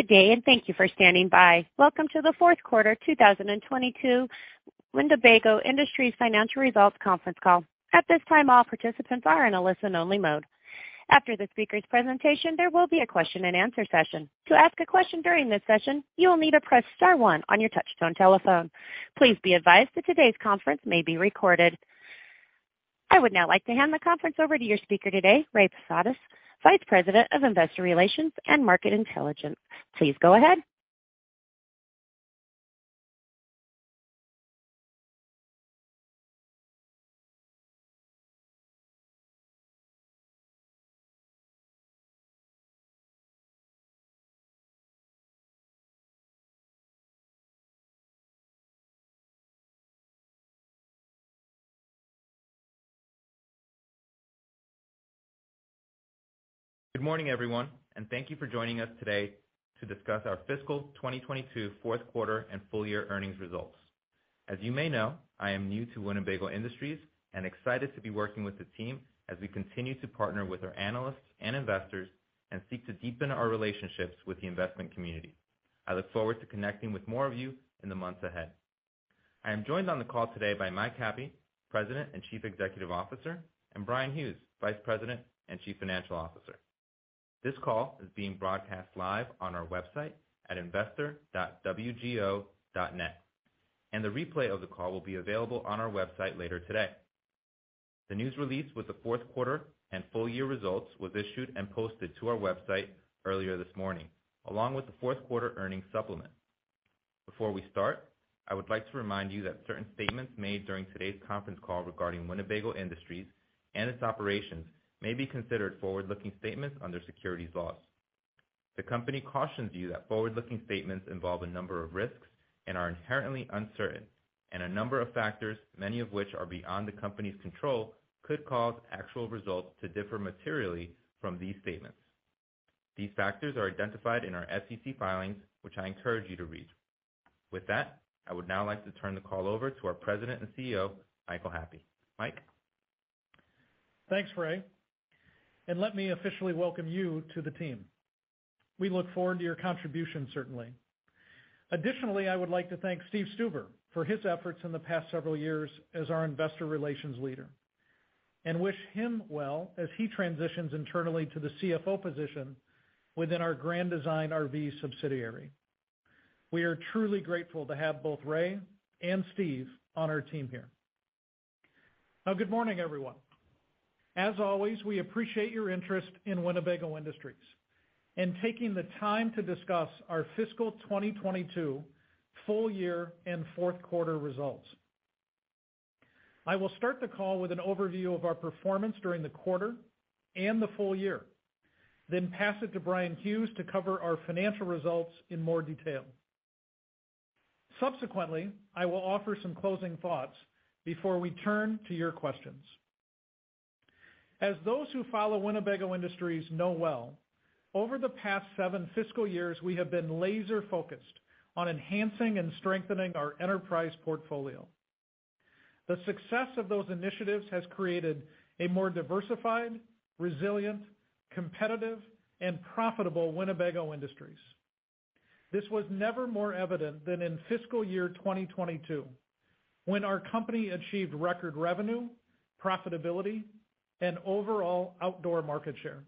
Good day, and thank you for standing by. Welcome to the Fourth Quarter 2022 Winnebago Industries Financial Results Conference Call. At this time, all participants are in a listen-only mode. After the speakers' presentation, there will be a question-and-answer session. To ask a question during this session, you will need to press star one on your touchtone telephone. Please be advised that today's conference may be recorded. I would now like to hand the conference over to your speaker today, Ray Posadas, Vice President of Investor Relations and Market Intelligence. Please go ahead. Good morning, everyone, and thank you for joining us today to discuss our fiscal 2022 fourth quarter and full year earnings results. As you may know, I am new to Winnebago Industries and excited to be working with the team as we continue to partner with our analysts and investors and seek to deepen our relationships with the investment community. I look forward to connecting with more of you in the months ahead. I am joined on the call today by Michael Happe, President and Chief Executive Officer, and Bryan Hughes, Vice President and Chief Financial Officer. This call is being broadcast live on our website at investor.wgo.net, and the replay of the call will be available on our website later today. The news release with the fourth quarter and full year results was issued and posted to our website earlier this morning, along with the fourth-quarter earnings supplement. Before we start, I would like to remind you that certain statements made during today's conference call regarding Winnebago Industries and its operations may be considered forward-looking statements under securities laws. The company cautions you that forward-looking statements involve a number of risks and are inherently uncertain, and a number of factors, many of which are beyond the company's control, could cause actual results to differ materially from these statements. These factors are identified in our SEC filings, which I encourage you to read. With that, I would now like to turn the call over to our President and CEO, Michael Happe. Mike? Thanks, Ray, and let me officially welcome you to the team. We look forward to your contribution, certainly. Additionally, I would like to thank Steve Stuber for his efforts in the past several years as our investor relations leader and wish him well as he transitions internally to the CFO position within our Grand Design RV subsidiary. We are truly grateful to have both Ray and Steve on our team here. Now, good morning, everyone. As always, we appreciate your interest in Winnebago Industries and taking the time to discuss our fiscal 2022 full year and fourth-quarter results. I will start the call with an overview of our performance during the quarter and the full year, then pass it to Bryan Hughes to cover our financial results in more detail. Subsequently, I will offer some closing thoughts before we turn to your questions. As those who follow Winnebago Industries know well, over the past seven fiscal years, we have been laser-focused on enhancing and strengthening our enterprise portfolio. The success of those initiatives has created a more diversified, resilient, competitive, and profitable Winnebago Industries. This was never more evident than in fiscal year 2022, when our company achieved record revenue, profitability, and overall outdoor market share.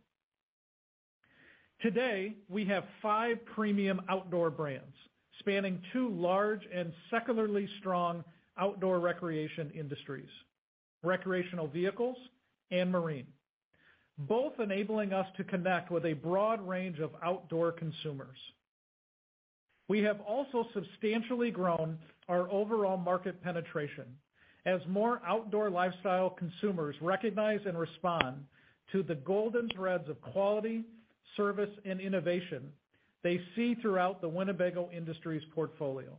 Today, we have five premium outdoor brands spanning two large and secularly strong outdoor recreation industries, recreational vehicles and marine, both enabling us to connect with a broad range of outdoor consumers. We have also substantially grown our overall market penetration as more outdoor lifestyle consumers recognize and respond to the golden threads of quality, service, and innovation they see throughout the Winnebago Industries portfolio.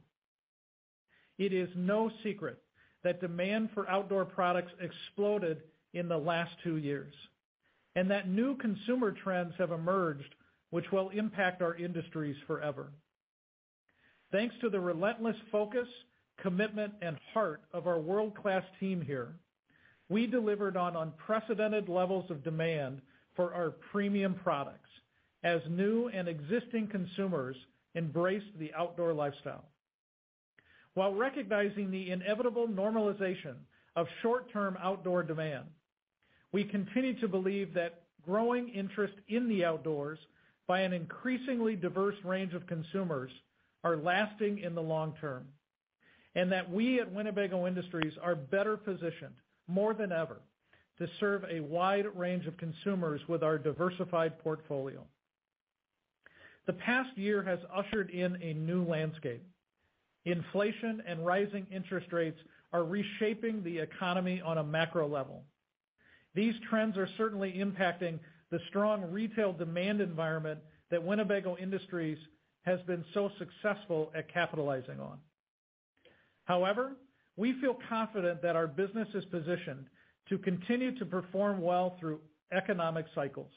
It is no secret that demand for outdoor products exploded in the last two years, and that new consumer trends have emerged which will impact our industries forever. Thanks to the relentless focus, commitment, and heart of our world-class team here, we delivered on unprecedented levels of demand for our premium products as new and existing consumers embraced the outdoor lifestyle. While recognizing the inevitable normalization of short-term outdoor demand, we continue to believe that growing interest in the outdoors by an increasingly diverse range of consumers are lasting in the long term, and that we at Winnebago Industries are better positioned more than ever to serve a wide range of consumers with our diversified portfolio. The past year has ushered in a new landscape. Inflation and rising interest rates are reshaping the economy on a macro level. These trends are certainly impacting the strong retail demand environment that Winnebago Industries has been so successful at capitalizing on. However, we feel confident that our business is positioned to continue to perform well through economic cycles.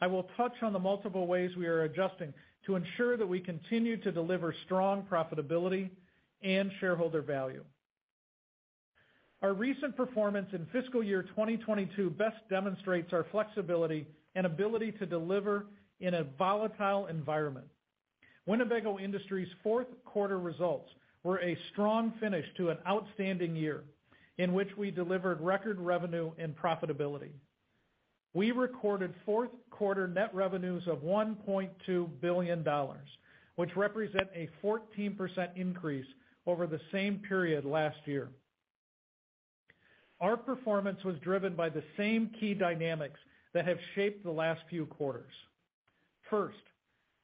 I will touch on the multiple ways we are adjusting to ensure that we continue to deliver strong profitability and shareholder value. Our recent performance in fiscal year 2022 best demonstrates our flexibility and ability to deliver in a volatile environment. Winnebago Industries' fourth quarter results were a strong finish to an outstanding year in which we delivered record revenue and profitability. We recorded fourth quarter net revenues of $1.2 billion which represent a 14% increase over the same period last year. Our performance was driven by the same key dynamics that have shaped the last few quarters. First,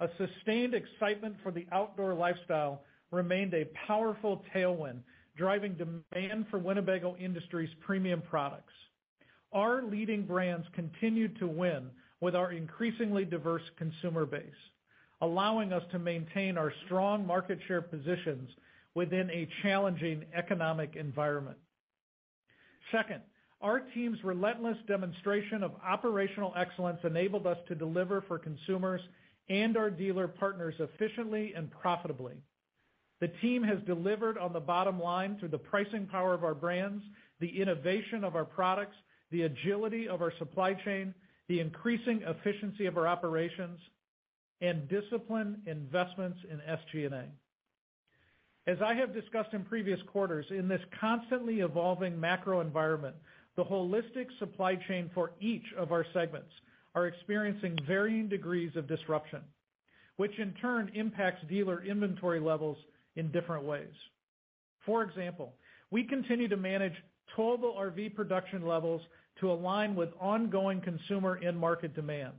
a sustained excitement for the outdoor lifestyle remained a powerful tailwind, driving demand for Winnebago Industries premium products. Our leading brands continued to win with our increasingly diverse consumer base, allowing us to maintain our strong market share positions within a challenging economic environment. Second, our team's relentless demonstration of operational excellence enabled us to deliver for consumers and our dealer partners efficiently and profitably. The team has delivered on the bottom line through the pricing power of our brands, the innovation of our products, the agility of our supply chain, the increasing efficiency of our operations, and disciplined investments in SG&A. As I have discussed in previous quarters, in this constantly evolving macro environment, the holistic supply chain for each of our segments are experiencing varying degrees of disruption, which in turn impacts dealer inventory levels in different ways. For example, we continue to manage towable RV production levels to align with ongoing consumer and market demand,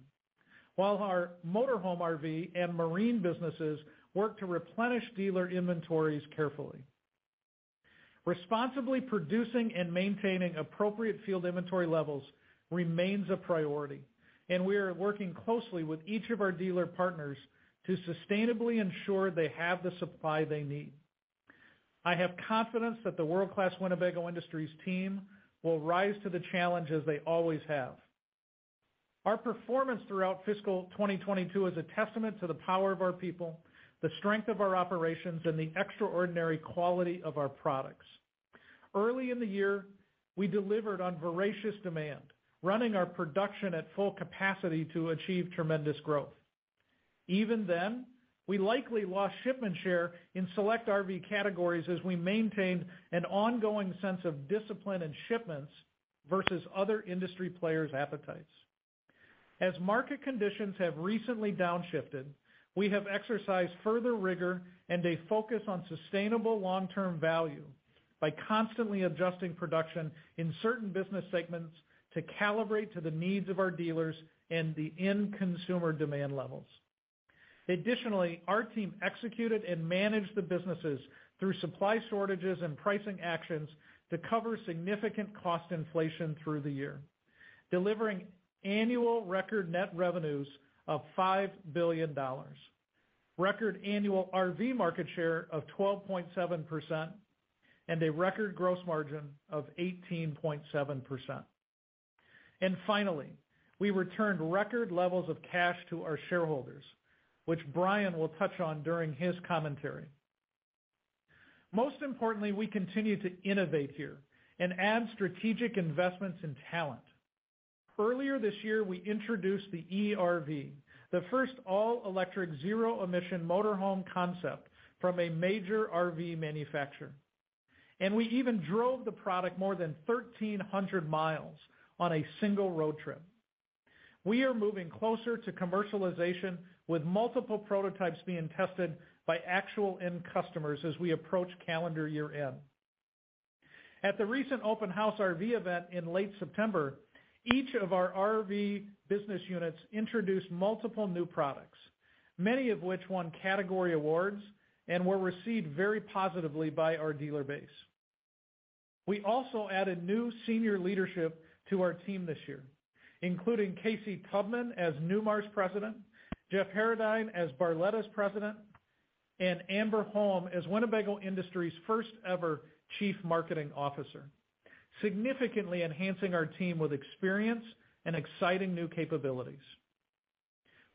while our motorhome RV and marine businesses work to replenish dealer inventories carefully. Responsibly producing and maintaining appropriate field inventory levels remains a priority, and we are working closely with each of our dealer partners to sustainably ensure they have the supply they need. I have confidence that the world-class Winnebago Industries team will rise to the challenge as they always have. Our performance throughout fiscal 2022 is a testament to the power of our people, the strength of our operations, and the extraordinary quality of our products. Early in the year, we delivered on voracious demand, running our production at full capacity to achieve tremendous growth. Even then, we likely lost shipment share in select RV categories as we maintained an ongoing sense of discipline in shipments versus other industry players' appetites. As market conditions have recently downshifted, we have exercised further rigor and a focus on sustainable long-term value by constantly adjusting production in certain business segments to calibrate to the needs of our dealers and the end consumer demand levels. Additionally, our team executed and managed the businesses through supply shortages and pricing actions to cover significant cost inflation through the year, delivering annual record net revenues of $5 billion, record annual RV market share of 12.7%, and a record gross margin of 18.7%. Finally, we returned record levels of cash to our shareholders, which Bryan will touch on during his commentary. Most importantly, we continue to innovate here and add strategic investments in talent. Earlier this year, we introduced the e-RV, the first all-electric zero-emission motorhome concept from a major RV manufacturer. We even drove the product more than 1,300 miles on a single road trip. We are moving closer to commercialization with multiple prototypes being tested by actual end customers as we approach calendar year-end. At the recent Open House RV event in late September, each of our RV business units introduced multiple new products, many of which won category awards and were received very positively by our dealer base. We also added new senior leadership to our team this year, including Casey Tubman as Newmar's President, Jeff Haradine as Barletta's President, and Amber Holm as Winnebago Industries' first ever Chief Marketing Officer, significantly enhancing our team with experience and exciting new capabilities.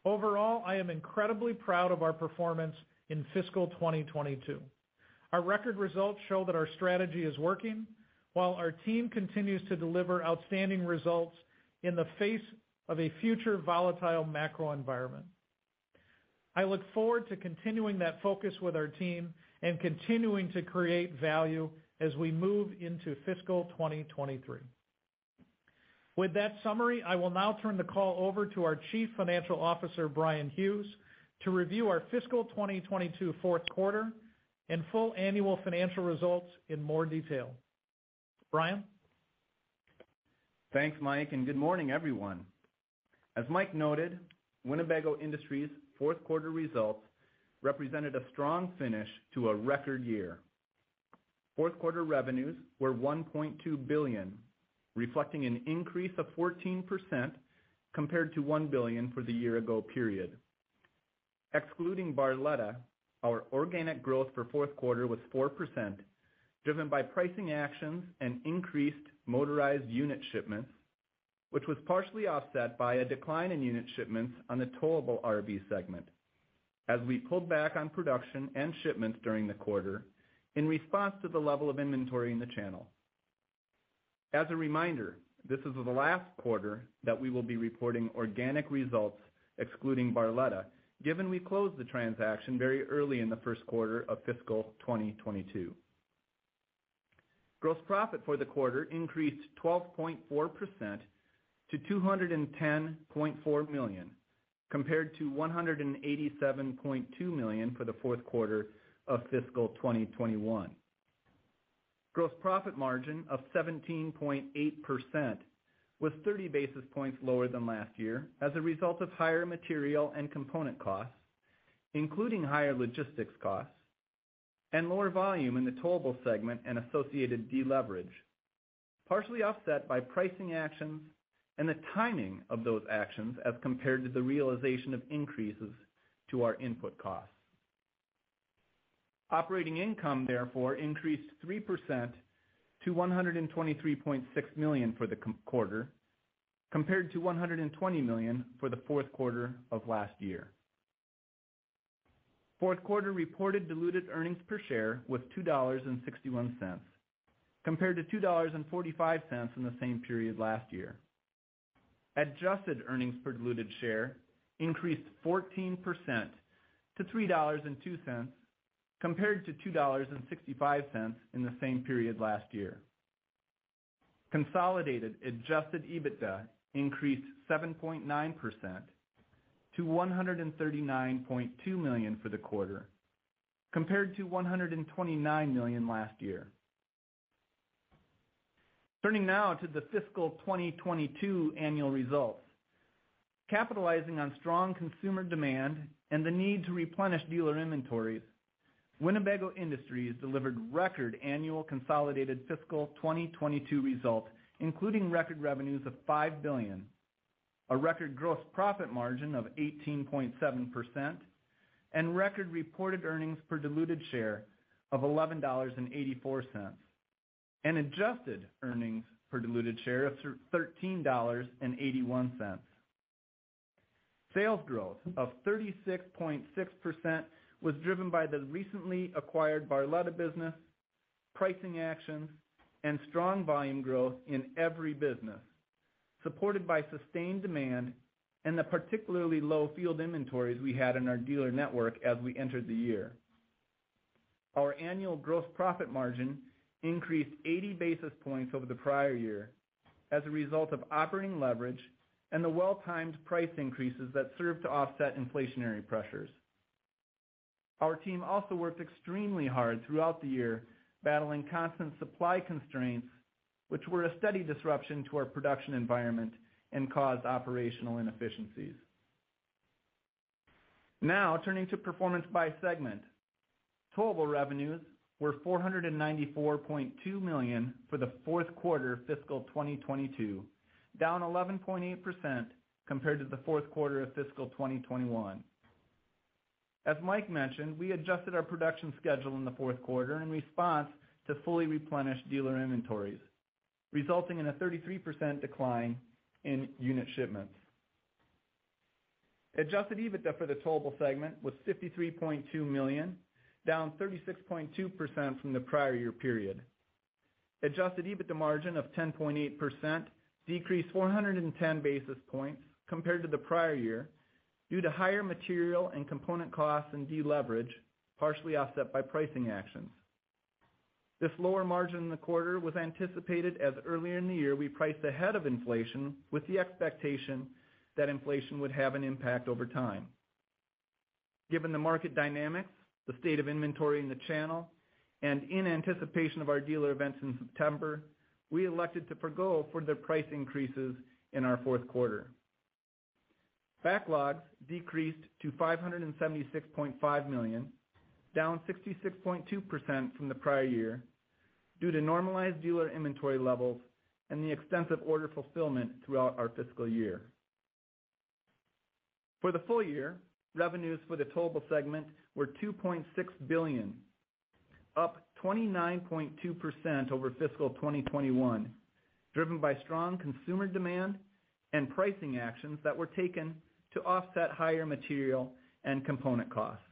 Overall, I am incredibly proud of our performance in fiscal 2022. Our record results show that our strategy is working while our team continues to deliver outstanding results in the face of a future volatile macro environment. I look forward to continuing that focus with our team and continuing to create value as we move into fiscal 2023. With that summary, I will now turn the call over to our Chief Financial Officer, Bryan Hughes, to review our fiscal 2022 fourth quarter and full annual financial results in more detail. Bryan? Thanks, Mike, and good morning, everyone. As Mike noted, Winnebago Industries' fourth quarter results represented a strong finish to a record year. Fourth quarter revenues were $1.2 billion, reflecting an increase of 14% compared to $1 billion for the year ago period. Excluding Barletta, our organic growth for fourth quarter was 4%, driven by pricing actions and increased motorized unit shipments, which was partially offset by a decline in unit shipments on the towable RV segment as we pulled back on production and shipments during the quarter in response to the level of inventory in the channel. As a reminder, this is the last quarter that we will be reporting organic results excluding Barletta, given we closed the transaction very early in the first quarter of fiscal 2022. Gross profit for the quarter increased 12.4% to $210.4 million, compared to $187.2 million for the fourth quarter of fiscal 2021. Gross profit margin of 17.8% was 30 basis points lower than last year as a result of higher material and component costs, including higher logistics costs and lower volume in the Towable segment and associated deleverage, partially offset by pricing actions and the timing of those actions as compared to the realization of increases to our input costs. Operating income, therefore, increased 3% to $123.6 million for the quarter, compared to $120 million for the fourth quarter of last year. Fourth quarter reported diluted earnings per share was $2.61 compared to $2.45 in the same period last year. Adjusted earnings per diluted share increased 14% to $3.02 compared to $2.65 in the same period last year. Consolidated adjusted EBITDA increased 7.9% to $139.2 million for the quarter, compared to $129 million last year. Turning now to the fiscal 2022 annual results. Capitalizing on strong consumer demand and the need to replenish dealer inventories, Winnebago Industries delivered record annual consolidated fiscal 2022 results, including record revenues of $5 billion, a record gross profit margin of 18.7%, and record reported earnings per diluted $13.08. Sales growth of 36.6% was driven by the recently acquired Barletta business, pricing actions, and strong volume growth in every business, supported by sustained demand and the particularly low field inventories we had in our dealer network as we entered the year. Our annual gross profit margin increased eighty basis points over the prior year as a result of operating leverage and the well-timed price increases that served to offset inflationary pressures. Our team also worked extremely hard throughout the year, battling constant supply constraints, which were a steady disruption to our production environment and caused operational inefficiencies. Now turning to performance by segment. Towable revenues were $494.2 million for the fourth quarter fiscal 2022, down 11.8% compared to the fourth quarter of fiscal 2021. As Mike mentioned, we adjusted our production schedule in the fourth quarter in response to fully replenish dealer inventories, resulting in a 33% decline in unit shipments. Adjusted EBITDA for the Towable segment was $53.2 million, down 36.2% from the prior year period. Adjusted EBITDA margin of 10.8% decreased 410 basis points compared to the prior year due to higher material and component costs and deleverage, partially offset by pricing actions. This lower margin in the quarter was anticipated. Earlier in the year, we priced ahead of inflation with the expectation that inflation would have an impact over time. Given the market dynamics, the state of inventory in the channel, and in anticipation of our dealer events in September, we elected to forgo the price increases in our fourth quarter. Backlogs decreased to $576.5 million, down 66.2% from the prior year due to normalized dealer inventory levels and the extensive order fulfillment throughout our fiscal year. For the full year, revenues for the Towable segment were $2.6 billion, up 29.2% over fiscal 2021, driven by strong consumer demand and pricing actions that were taken to offset higher material and component costs.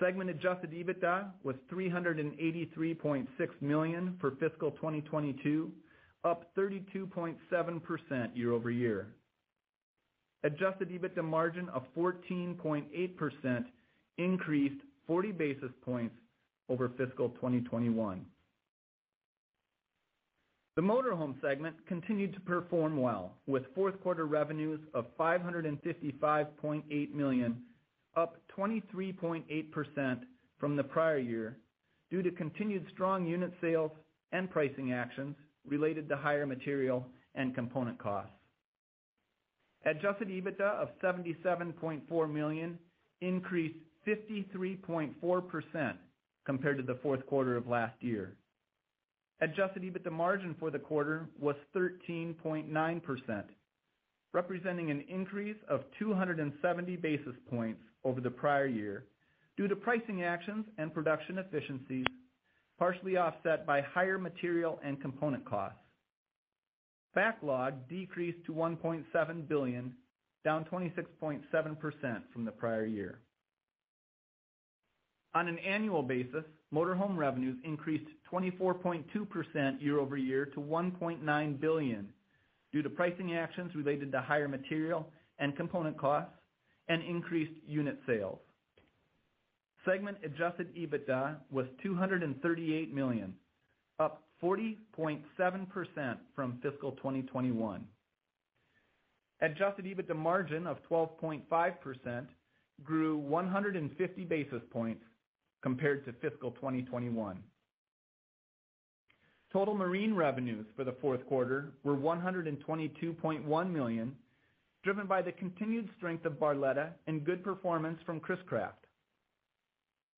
Segment adjusted EBITDA was $383.6 million for fiscal 2022, up 32.7% year-over-year. Adjusted EBITDA margin of 14.8% increased 40 basis points over fiscal 2021. The motorhome segment continued to perform well with fourth quarter revenues of $555.8 million, up 23.8% from the prior year due to continued strong unit sales and pricing actions related to higher material and component costs. Adjusted EBITDA of $77.4 million increased 53.4% compared to the fourth quarter of last year. Adjusted EBITDA margin for the quarter was 13.9% representing an increase of 270 basis points over the prior year due to pricing actions and production efficiencies, partially offset by higher material and component costs. Backlog decreased to $1.7 billion, down 26.7% from the prior year. On an annual basis, motor home revenues increased 24.2% year-over-year to $1.9 billion due to pricing actions related to higher material and component costs and increased unit sales. Segment adjusted EBITDA was $238 million, up 40.7% from fiscal 2021. Adjusted EBITDA margin of 12.5% grew 150 basis points compared to fiscal 2021. Total marine revenues for the fourth quarter were $122.1 million, driven by the continued strength of Barletta and good performance from Chris-Craft.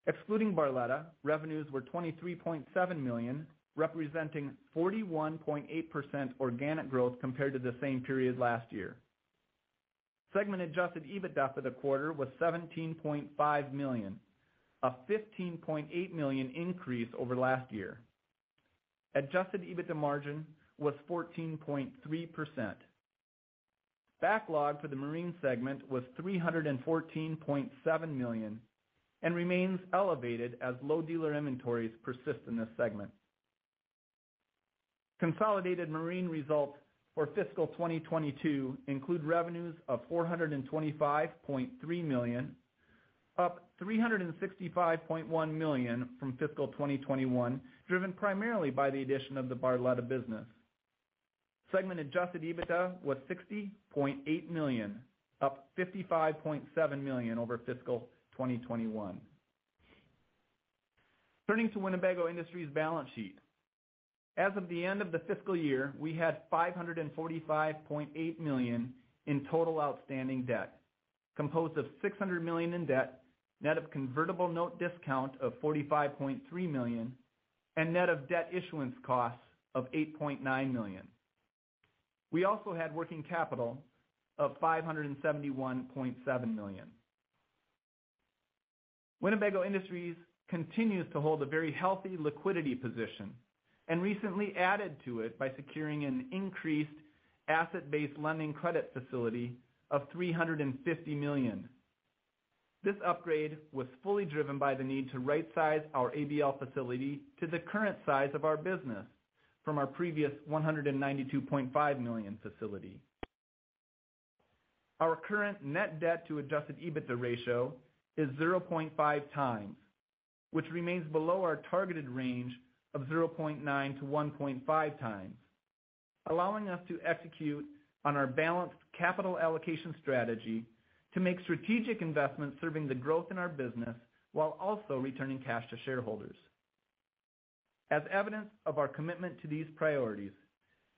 Excluding Barletta, revenues were $23.7 million, representing 41.8% organic growth compared to the same period last year. Segment adjusted EBITDA for the quarter was $17.5 million, a $15.8 million increase over last year. Adjusted EBITDA margin was 14.3%. Backlog for the marine segment was $314.7 million and remains elevated as low dealer inventories persist in this segment. Consolidated marine results for fiscal 2022 include revenues of $425.3 million, up $365.1 million from fiscal 2021, driven primarily by the addition of the Barletta business. Segment adjusted EBITDA was $60.8 million, up $55.7 million over fiscal 2021. Turning to Winnebago Industries' balance sheet. As of the end of the fiscal year, we had $545.8 million in total outstanding debt, composed of $600 million in debt, net of convertible note discount of $45.3 million and net of debt issuance costs of $8.9 million. We also had working capital of $571.7 million. Winnebago Industries continues to hold a very healthy liquidity position and recently added to it by securing an increased asset-based lending credit facility of $350 million. This upgrade was fully driven by the need to right-size our ABL facility to the current size of our business from our previous $192.5 million facility. Our current net debt to adjusted EBITDA ratio is 0.5x, which remains below our targeted range of 0.9x-1.5x, allowing us to execute on our balanced capital allocation strategy to make strategic investments serving the growth in our business while also returning cash to shareholders. As evidence of our commitment to these priorities,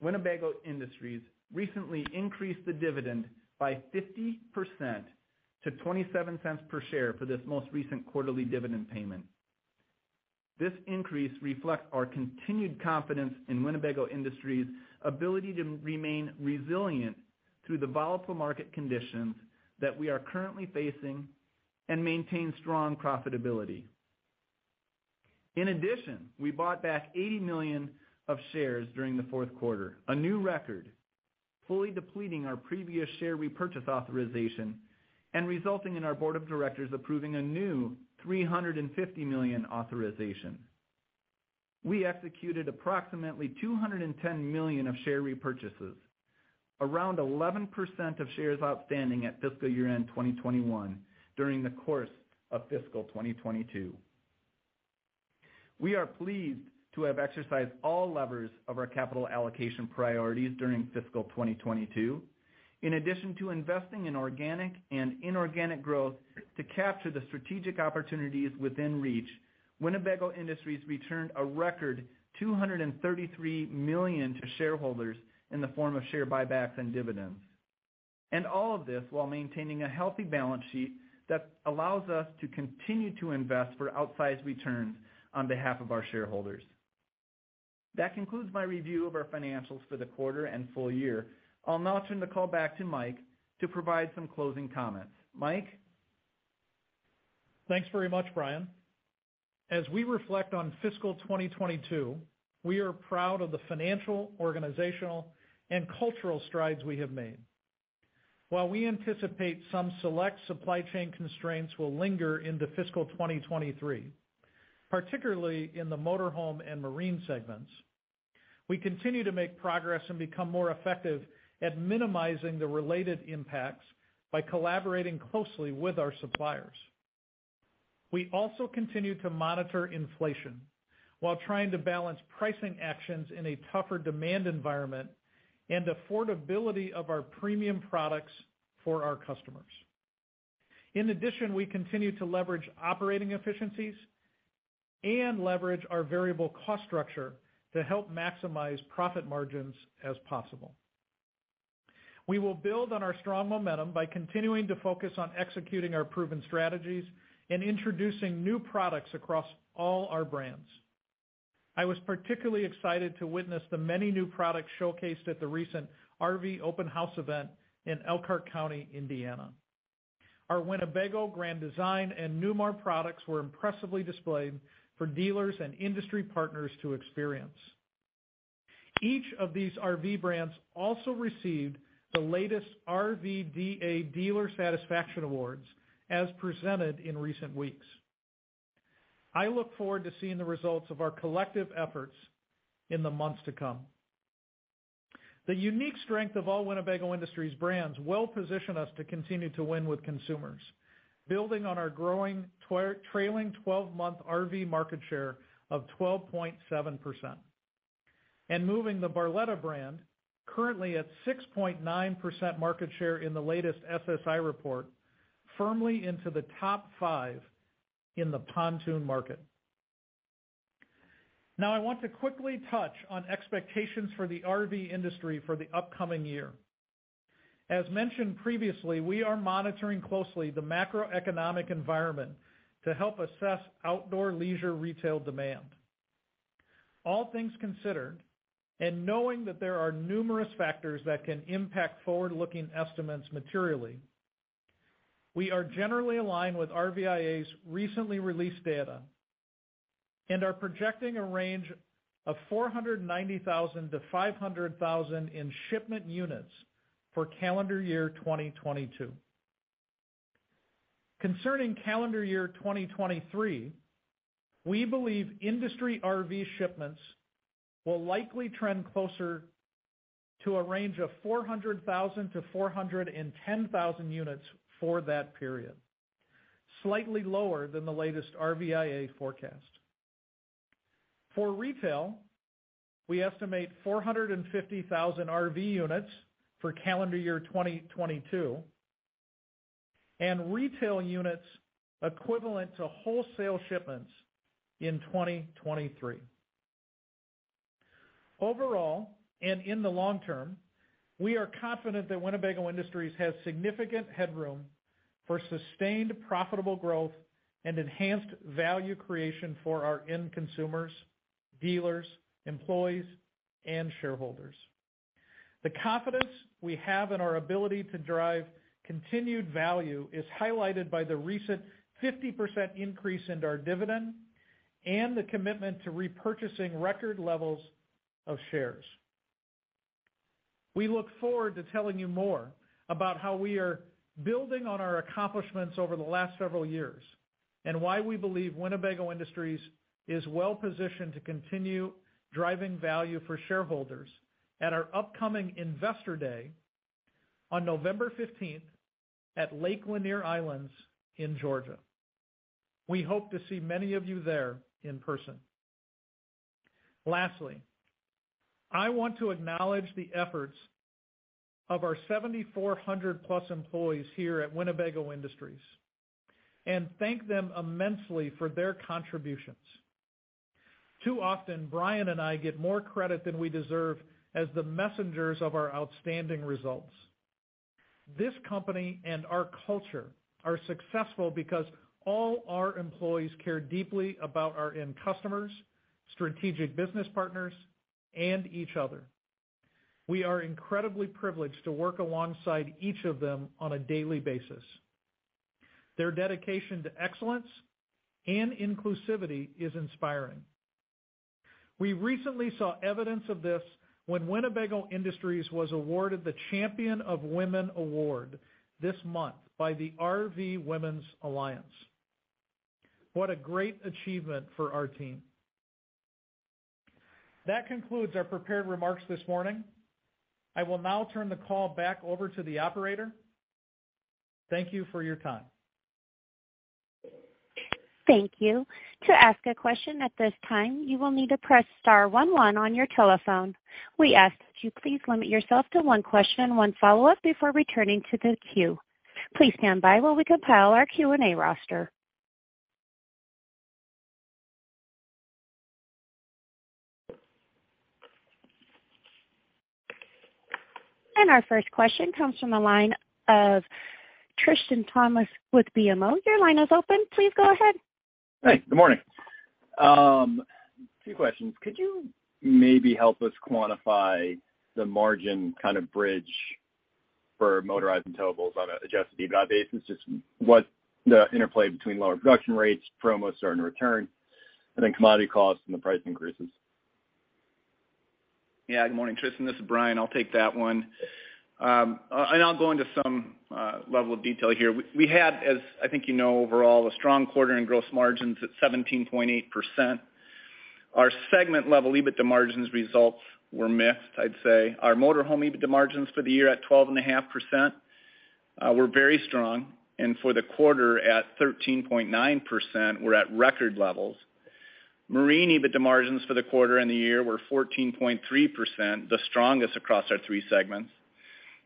Winnebago Industries recently increased the dividend by 50% to $0.27 per share for this most recent quarterly dividend payment. This increase reflects our continued confidence in Winnebago Industries' ability to remain resilient through the volatile market conditions that we are currently facing and maintain strong profitability. In addition, we bought back $80 million of shares during the fourth quarter, a new record, fully depleting our previous share repurchase authorization and resulting in our board of directors approving a new $350 million authorization. We executed approximately $210 million of share repurchases, around 11% of shares outstanding at fiscal year-end 2021 during the course of fiscal 2022. We are pleased to have exercised all levers of our capital allocation priorities during fiscal 2022. In addition to investing in organic and inorganic growth to capture the strategic opportunities within reach, Winnebago Industries returned a record $233 million to shareholders in the form of share buybacks and dividends. All of this while maintaining a healthy balance sheet that allows us to continue to invest for outsized returns on behalf of our shareholders. That concludes my review of our financials for the quarter and full year. I'll now turn the call back to Mike to provide some closing comments. Mike? Thanks very much, Bryan. As we reflect on fiscal 2022, we are proud of the financial, organizational, and cultural strides we have made. While we anticipate some select supply chain constraints will linger into fiscal 2023, particularly in the motor home and marine segments, we continue to make progress and become more effective at minimizing the related impacts by collaborating closely with our suppliers. We also continue to monitor inflation while trying to balance pricing actions in a tougher demand environment and affordability of our premium products for our customers. In addition, we continue to leverage operating efficiencies and leverage our variable cost structure to help maximize profit margins as possible. We will build on our strong momentum by continuing to focus on executing our proven strategies and introducing new products across all our brands. I was particularly excited to witness the many new products showcased at the recent RV Open House event in Elkhart County, Indiana. Our Winnebago, Grand Design, and Newmar products were impressively displayed for dealers and industry partners to experience. Each of these RV brands also received the latest RVDA Dealer Satisfaction Awards as presented in recent weeks. I look forward to seeing the results of our collective efforts in the months to come. The unique strength of all Winnebago Industries brands well-position us to continue to win with consumers, building on our growing trailing 12-month RV market share of 12.7%, and moving the Barletta brand, currently at 6.9% market share in the latest SSI report, firmly into the top five in the pontoon market. Now I want to quickly touch on expectations for the RV industry for the upcoming year. As mentioned previously, we are monitoring closely the macroeconomic environment to help assess outdoor leisure retail demand. All things considered, and knowing that there are numerous factors that can impact forward-looking estimates materially, we are generally aligned with RVIA's recently released data and are projecting a range of 490,000-500,000 in shipment units for calendar year 2022. Concerning calendar year 2023, we believe industry RV shipments will likely trend closer to a range of 400,000-410,000 units for that period, slightly lower than the latest RVIA forecast. For retail, we estimate 450,000 RV units for calendar year 2022, and retail units equivalent to wholesale shipments in 2023. Overall, and in the long term, we are confident that Winnebago Industries has significant headroom for sustained profitable growth and enhanced value creation for our end consumers, dealers, employees, and shareholders. The confidence we have in our ability to drive continued value is highlighted by the recent 50% increase in our dividend and the commitment to repurchasing record levels of shares. We look forward to telling you more about how we are building on our accomplishments over the last several years and why we believe Winnebago Industries is well-positioned to continue driving value for shareholders at our upcoming Investor Day on November fifteenth at Lake Lanier Islands in Georgia. We hope to see many of you there in person. Lastly, I want to acknowledge the efforts of our 7,400+ employees here at Winnebago Industries and thank them immensely for their contributions. Too often, Bryan and I get more credit than we deserve as the messengers of our outstanding results. This company and our culture are successful because all our employees care deeply about our end customers, strategic business partners, and each other. We are incredibly privileged to work alongside each of them on a daily basis. Their dedication to excellence and inclusivity is inspiring. We recently saw evidence of this when Winnebago Industries was awarded the Champion of Women Award this month by the RV Women's Alliance. What a great achievement for our team. That concludes our prepared remarks this morning. I will now turn the call back over to the operator. Thank you for your time. Thank you. To ask a question at this time, you will need to press star one one on your telephone. We ask that you please limit yourself to one question, one follow-up, before returning to the queue. Please stand by while we compile our Q&A roster. Our first question comes from the line of Tristan Thomas with BMO. Your line is open. Please go ahead. Hi. Good morning. Two questions. Could you maybe help us quantify the margin kind of bridge for motorized and towables on an adjusted EBITDA basis? Just what the interplay between lower production rates, promos starting to return, and then commodity costs and the price increases? Yeah. Good morning, Tristan, this is Bryan. I'll take that one. I'll go into some level of detail here. We had, as I think you know, overall, a strong quarter in gross margins at 17.8%. Our segment level EBITDA margins results were mixed, I'd say. Our motor home EBITDA margins for the year at 12.5% were very strong. For the quarter at 13.9% were at record levels. Marine EBITDA margins for the quarter and the year were 14.3%, the strongest across our three segments,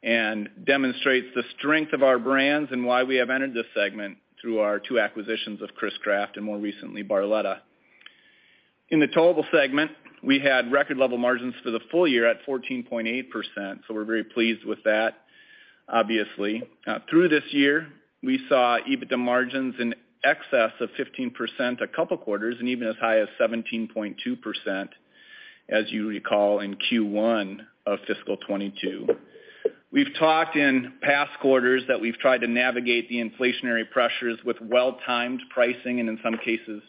and demonstrates the strength of our brands and why we have entered this segment through our two acquisitions of Chris-Craft, and more recently, Barletta. In the towable segment, we had record level margins for the full year at 14.8%, so we're very pleased with that. Obviously, through this year, we saw EBITDA margins in excess of 15% a couple quarters and even as high as 17.2%, as you recall, in Q1 of fiscal 2022. We've talked in past quarters that we've tried to navigate the inflationary pressures with well-timed pricing, and in some cases,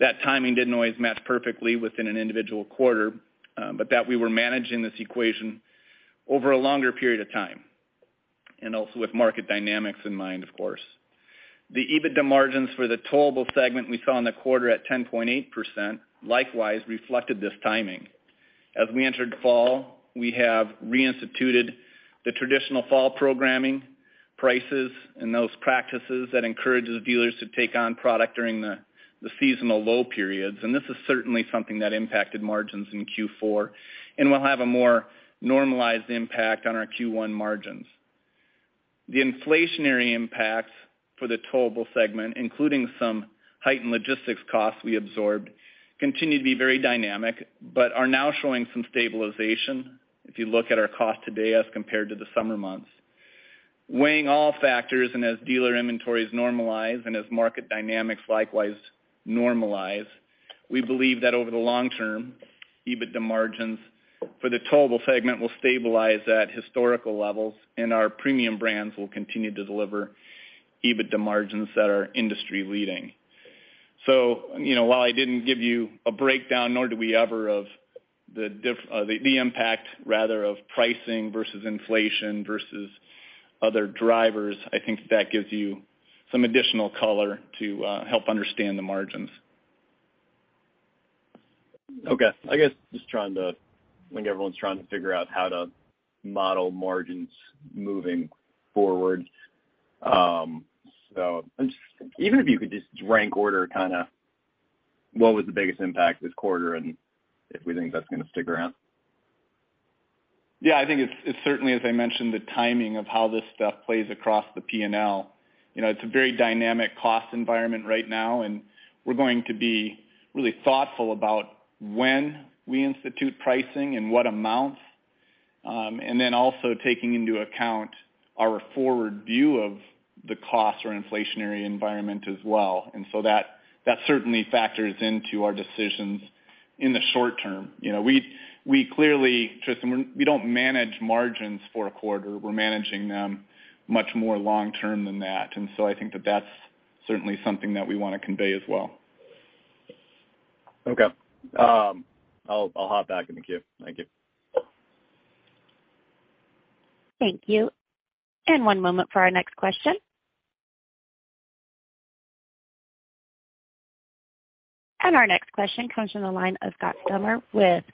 that timing didn't always match perfectly within an individual quarter, but that we were managing this equation over a longer period of time, and also with market dynamics in mind, of course. The EBITDA margins for the towable segment we saw in the quarter at 10.8%, likewise reflected this timing. As we entered fall, we have reinstituted the traditional fall programming prices and those practices that encourages dealers to take on product during the seasonal low periods. This is certainly something that impacted margins in Q4 and will have a more normalized impact on our Q1 margins. The inflationary impacts for the towable segment, including some heightened logistics costs we absorbed, continue to be very dynamic, but are now showing some stabilization if you look at our cost today as compared to the summer months. Weighing all factors and as dealer inventories normalize and as market dynamics likewise normalize, we believe that over the long term, EBITDA margins for the towable segment will stabilize at historical levels, and our premium brands will continue to deliver EBITDA margins that are industry-leading. You know, while I didn't give you a breakdown, nor do we ever, of the impact rather of pricing versus inflation versus other drivers, I think that gives you some additional color to help understand the margins. Okay. I think everyone's trying to figure out how to model margins moving forward. Even if you could just rank order kinda what was the biggest impact this quarter and if we think that's gonna stick around. Yeah, I think it's certainly, as I mentioned, the timing of how this stuff plays across the P&L. You know, it's a very dynamic cost environment right now, and we're going to be really thoughtful about when we institute pricing and what amounts, and then also taking into account our forward view of the cost or inflationary environment as well. That certainly factors into our decisions in the short term. You know, we clearly, Tristan, we don't manage margins for a quarter. We're managing them much more long term than that. I think that that's certainly something that we wanna convey as well. Okay. I'll hop back in the queue. Thank you. Thank you. One moment for our next question. Our next question comes from the line of Scott Stember with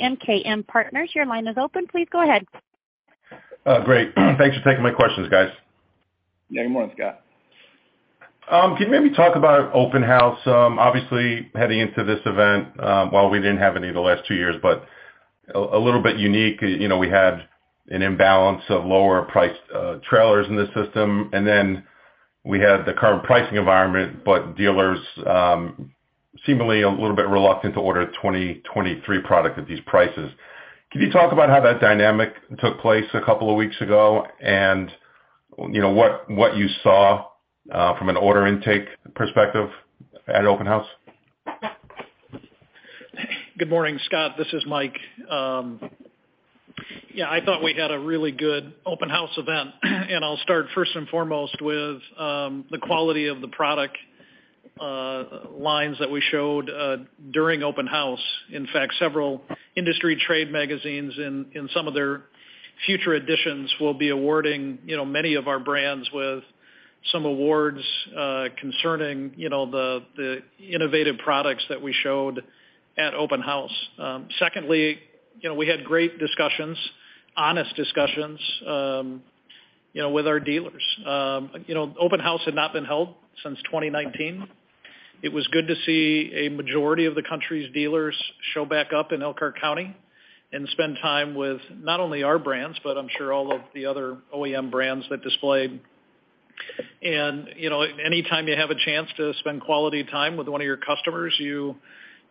MKM Partners, your line is open. Please go ahead. Great. Thanks for taking my questions, guys. Good morning, Scott. Can you maybe talk about Open House? Obviously heading into this event, while we didn't have any of the last two years, but a little bit unique, you know, we had an imbalance of lower priced trailers in the system, and then we had the current pricing environment, but dealers seemingly a little bit reluctant to order 2023 product at these prices. Can you talk about how that dynamic took place a couple of weeks ago and, you know, what you saw from an order intake perspective at Open House? Good morning, Scott. This is Mike. Yeah, I thought we had a really good Open House event, and I'll start first and foremost with the quality of the product lines that we showed during Open House. In fact, several industry trade magazines in some of their future editions will be awarding, you know, many of our brands with some awards concerning, you know, the innovative products that we showed at Open House. Secondly, you know, we had great discussions, honest discussions, you know, with our dealers. You know, Open House had not been held since 2019. It was good to see a majority of the country's dealers show back up in Elkhart County and spend time with not only our brands, but I'm sure all of the other OEM brands that displayed. You know, anytime you have a chance to spend quality time with one of your customers, you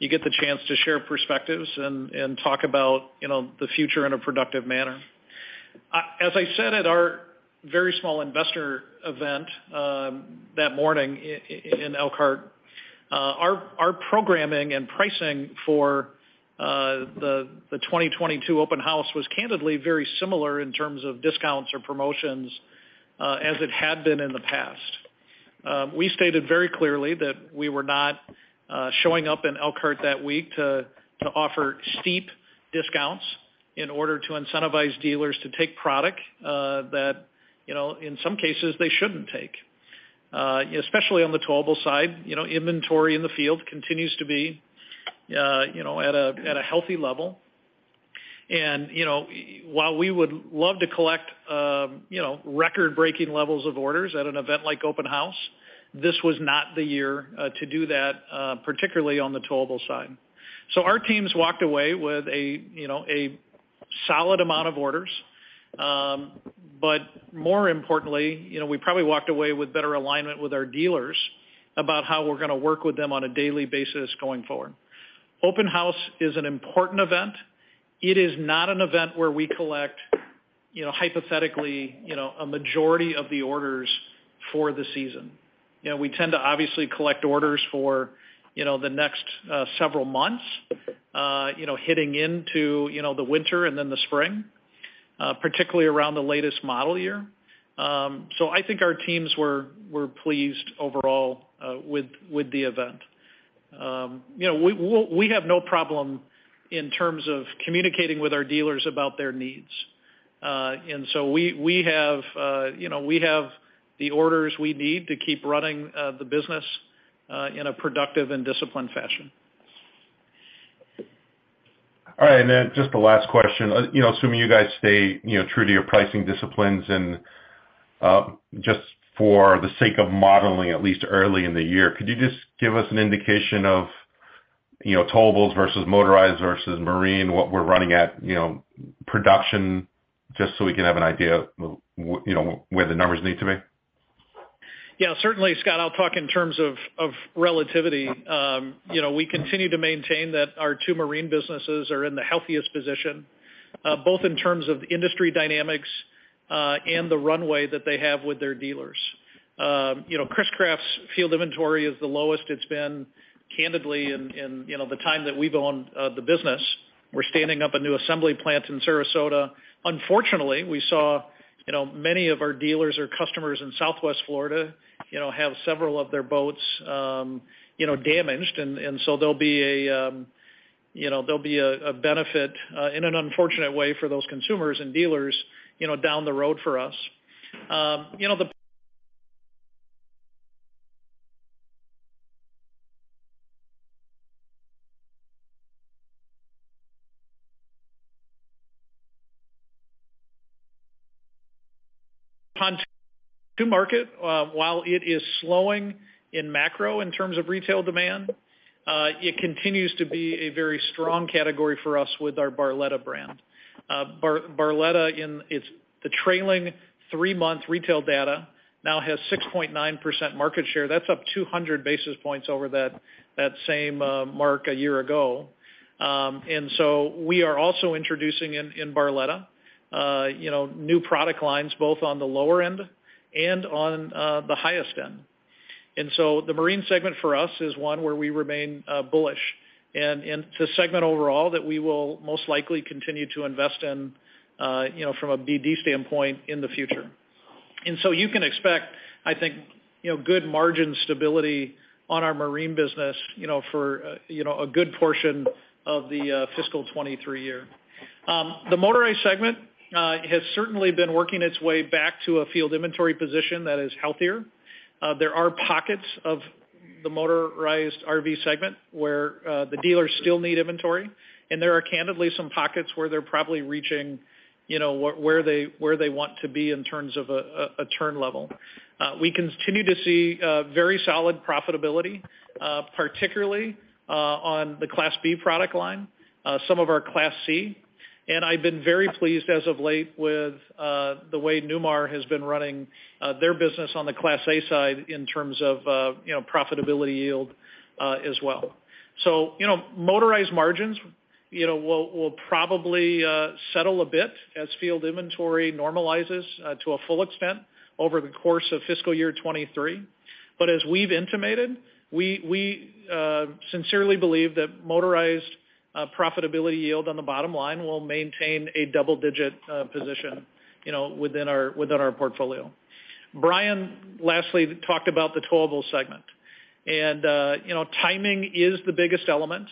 get the chance to share perspectives and talk about, you know, the future in a productive manner. As I said at our very small investor event that morning in Elkhart, our programming and pricing for the 2022 Open House was candidly very similar in terms of discounts or promotions as it had been in the past. We stated very clearly that we were not showing up in Elkhart that week to offer steep discounts in order to incentivize dealers to take product that, you know, in some cases, they shouldn't take. Especially on the towable side, you know, inventory in the field continues to be at a healthy level. you know, while we would love to collect, you know, record-breaking levels of orders at an event like Open House, this was not the year to do that, particularly on the towable side. Our teams walked away with a, you know, a solid amount of orders. more importantly, you know, we probably walked away with better alignment with our dealers about how we're gonna work with them on a daily basis going forward. Open House is an important event. It is not an event where we collect, you know, hypothetically, you know, a majority of the orders for the season. You know, we tend to obviously collect orders for, you know, the next several months, you know, hitting into, you know, the winter and then the spring, particularly around the latest model year. I think our teams were pleased overall with the event. You know, we have no problem in terms of communicating with our dealers about their needs. We have the orders we need to keep running the business in a productive and disciplined fashion. All right. Just the last question. You know, assuming you guys stay, you know, true to your pricing disciplines and, just for the sake of modeling, at least early in the year, could you just give us an indication of, you know, towables versus motorized versus marine, what we're running at, you know, production, just so we can have an idea, you know, where the numbers need to be? Yeah, certainly, Scott, I'll talk in terms of relativity. You know, we continue to maintain that our two marine businesses are in the healthiest position, both in terms of industry dynamics and the runway that they have with their dealers. You know, Chris-Craft's field inventory is the lowest it's been candidly in you know, the time that we've owned the business. We're standing up a new assembly plant in Sarasota. Unfortunately, we saw you know, many of our dealers or customers in Southwest Florida, you know, have several of their boats you know, damaged. And so there'll be a benefit in an unfortunate way for those consumers and dealers, you know, down the road for us. You know, the boat market, while it is slowing in macro in terms of retail demand, it continues to be a very strong category for us with our Barletta brand. Barletta in its trailing three-month retail data now has 6.9% market share. That's up 200 basis points over that same mark a year ago. We are also introducing in Barletta, you know, new product lines, both on the lower end and on the highest end. It's a segment overall that we will most likely continue to invest in, you know, from a BD standpoint in the future. You can expect, I think, you know, good margin stability on our marine business, you know, for, you know, a good portion of the fiscal 2023 year. The motorized segment has certainly been working its way back to a field inventory position that is healthier. There are pockets of the motorized RV segment where the dealers still need inventory. There are candidly some pockets where they're probably reaching, you know, where they want to be in terms of a turn level. We continue to see very solid profitability, particularly on the Class B product line, some of our Class C. I've been very pleased as of late with the way Newmar has been running their business on the Class A side in terms of you know, profitability yield, as well. Motorized margins will probably settle a bit as field inventory normalizes to a full extent over the course of fiscal year 2023. We've intimated we sincerely believe that motorized profitability yield on the bottom line will maintain a double-digit position you know, within our portfolio. Bryan lastly talked about the towable segment. Timing is the biggest element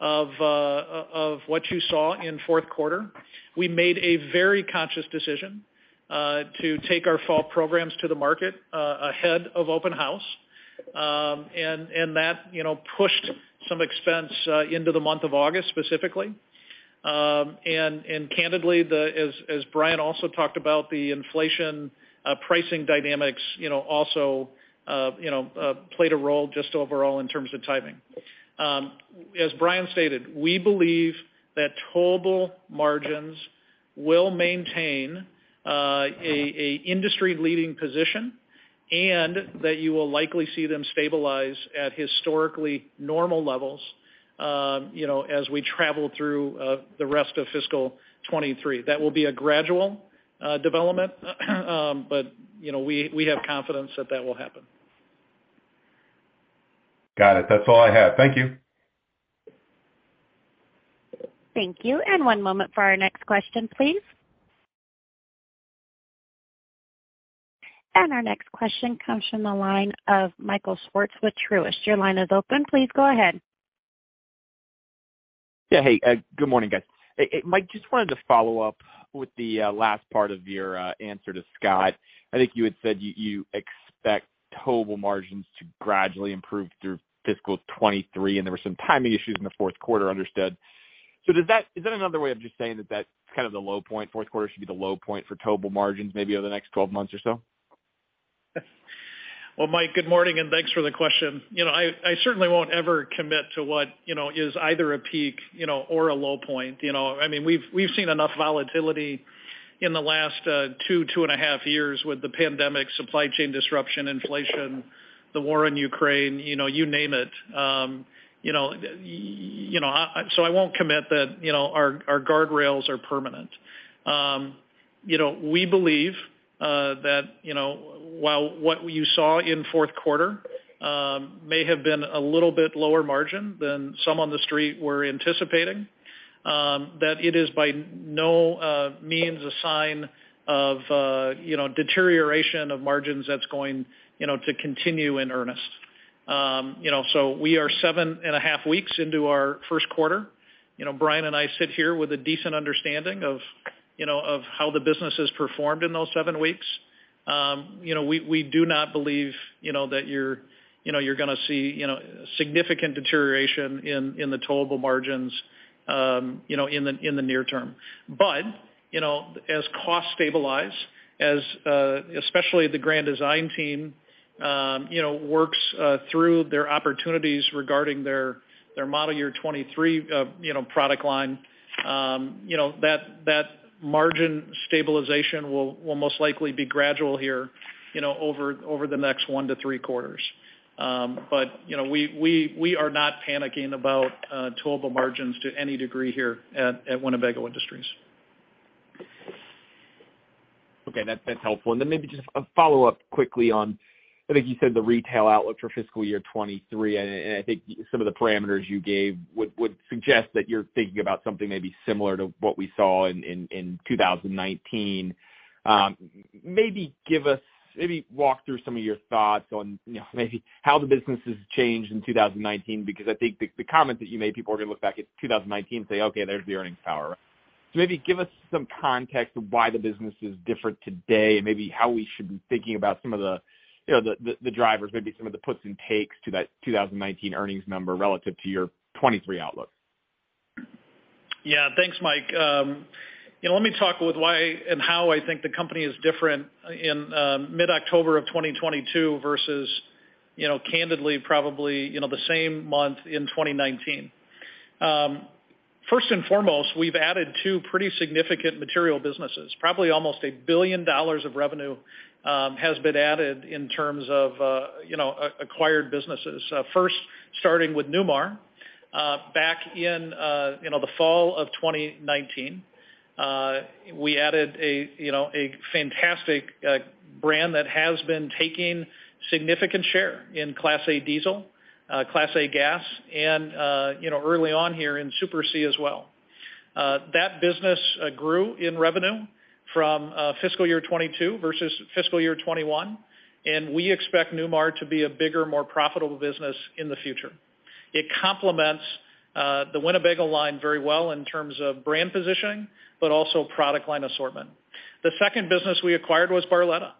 of what you saw in fourth quarter. We made a very conscious decision to take our fall programs to the market ahead of open house. that, you know, pushed some expense into the month of August specifically. candidly, as Bryan also talked about, the inflation pricing dynamics, you know, also played a role just overall in terms of timing. as Bryan stated, we believe that towable margins will maintain a industry-leading position and that you will likely see them stabilize at historically normal levels, you know, as we travel through the rest of fiscal 2023. That will be a gradual development, you know, we have confidence that that will happen. Got it. That's all I have. Thank you. Thank you. One moment for our next question, please. Our next question comes from the line of Michael Swartz with Truist. Your line is open. Please go ahead. Yeah. Hey, good morning, guys. Mike, just wanted to follow up with the last part of your answer to Scott. I think you had said you expect towable margins to gradually improve through fiscal 2023, and there were some timing issues in the fourth quarter. Understood. Is that another way of just saying that that's kind of the low point, fourth quarter should be the low point for towable margins maybe over the next 12 months or so? Well, Mike, good morning, and thanks for the question. You know, I certainly won't ever commit to what, you know, is either a peak, you know, or a low point. You know, I mean, we've seen enough volatility in the last 2.5 years with the pandemic, supply chain disruption, inflation, the war in Ukraine, you know, you name it. You know, so I won't commit that, you know, our guardrails are permanent. You know, we believe that, you know, while what you saw in fourth quarter may have been a little bit lower margin than some on the street were anticipating, that it is by no means a sign of, you know, deterioration of margins that's going, you know, to continue in earnest. You know, we are seven and a half weeks into our first quarter. You know, Bryan and I sit here with a decent understanding of, you know, of how the business has performed in those seven weeks. You know, we do not believe, you know, that you're gonna see, you know, significant deterioration in the towable margins in the near term. You know, as costs stabilize, especially the Grand Design team works through their opportunities regarding their model year 2023 product line, you know, that margin stabilization will most likely be gradual here, you know, over one to three quarters. You know, we are not panicking about towable margins to any degree here at Winnebago Industries. Okay, that's helpful. Then maybe just a follow-up quickly on, I think you said the retail outlook for fiscal year 2023, and I think some of the parameters you gave would suggest that you're thinking about something maybe similar to what we saw in 2019. Maybe walk through some of your thoughts on, you know, maybe how the business has changed in 2019, because I think the comment that you made, people are gonna look back at 2019 and say, "Okay, there's the earnings power." Maybe give us some context of why the business is different today and maybe how we should be thinking about some of the, you know, the drivers, maybe some of the puts and takes to that 2019 earnings number relative to your 2023 outlook. Yeah. Thanks, Mike. You know, let me talk about why and how I think the company is different in mid-October of 2022 versus, you know, candidly, probably, you know, the same month in 2019. First and foremost, we've added two pretty significant material businesses. Probably almost $1 billion of revenue has been added in terms of acquired businesses. First starting with Newmar back in the fall of 2019. We added a fantastic brand that has been taking significant share in Class A diesel, Class A gas and early on here in Super C as well. That business grew in revenue from fiscal year 2022 versus fiscal year 2021, and we expect Newmar to be a bigger, more profitable business in the future. It complements the Winnebago line very well in terms of brand positioning, but also product line assortment. The second business we acquired was Barletta.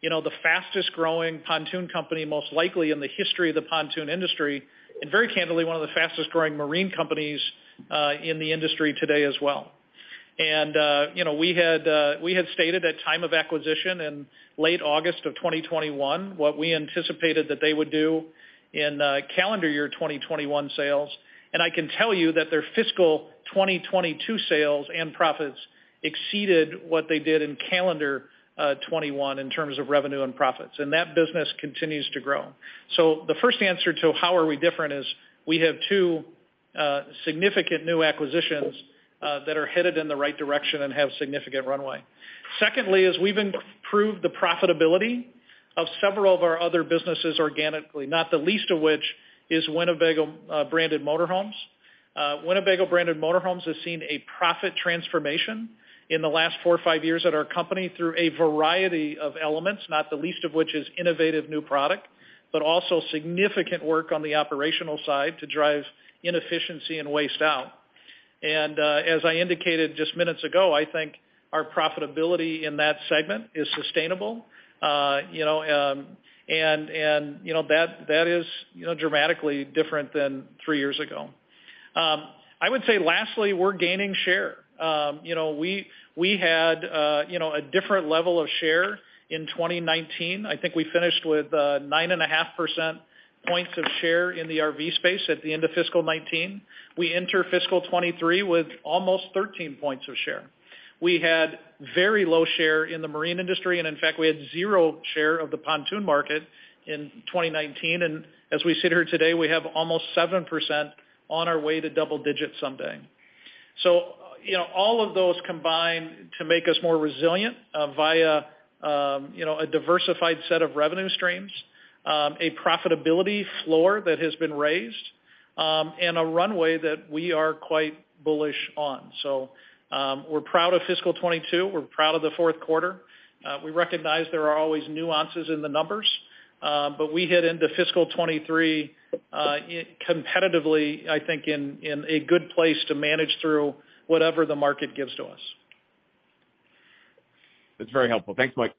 You know, the fastest-growing pontoon company most likely in the history of the pontoon industry, and very candidly, one of the fastest-growing marine companies in the industry today as well. You know, we had stated at time of acquisition in late August of 2021 what we anticipated that they would do in calendar year 2021 sales. I can tell you that their fiscal 2022 sales and profits exceeded what they did in calendar 2021 in terms of revenue and profits. That business continues to grow. The first answer to how are we different is we have two significant new acquisitions that are headed in the right direction and have significant runway. Secondly, we've improved the profitability of several of our other businesses organically, not the least of which is Winnebago branded motor homes. Winnebago branded motor homes has seen a profit transformation in the last four or five years at our company through a variety of elements, not the least of which is innovative new product, but also significant work on the operational side to drive inefficiency and waste out. As I indicated just minutes ago, I think our profitability in that segment is sustainable. You know, that is dramatically different than three years ago. I would say lastly, we're gaining share. You know, we had a different level of share in 2019. I think we finished with 9.5 percentage points of share in the RV space at the end of fiscal 2019. We enter fiscal 2023 with almost 13 points of share. We had very low share in the marine industry, and in fact, we had zero share of the pontoon market in 2019. As we sit here today, we have almost 7% on our way to double digits someday. You know, all of those combine to make us more resilient via you know, a diversified set of revenue streams, a profitability floor that has been raised, and a runway that we are quite bullish on. We're proud of fiscal 2022. We're proud of the fourth quarter. We recognize there are always nuances in the numbers, but we head into fiscal 2023, competitively, I think in a good place to manage through whatever the market gives to us. That's very helpful. Thanks, Mike.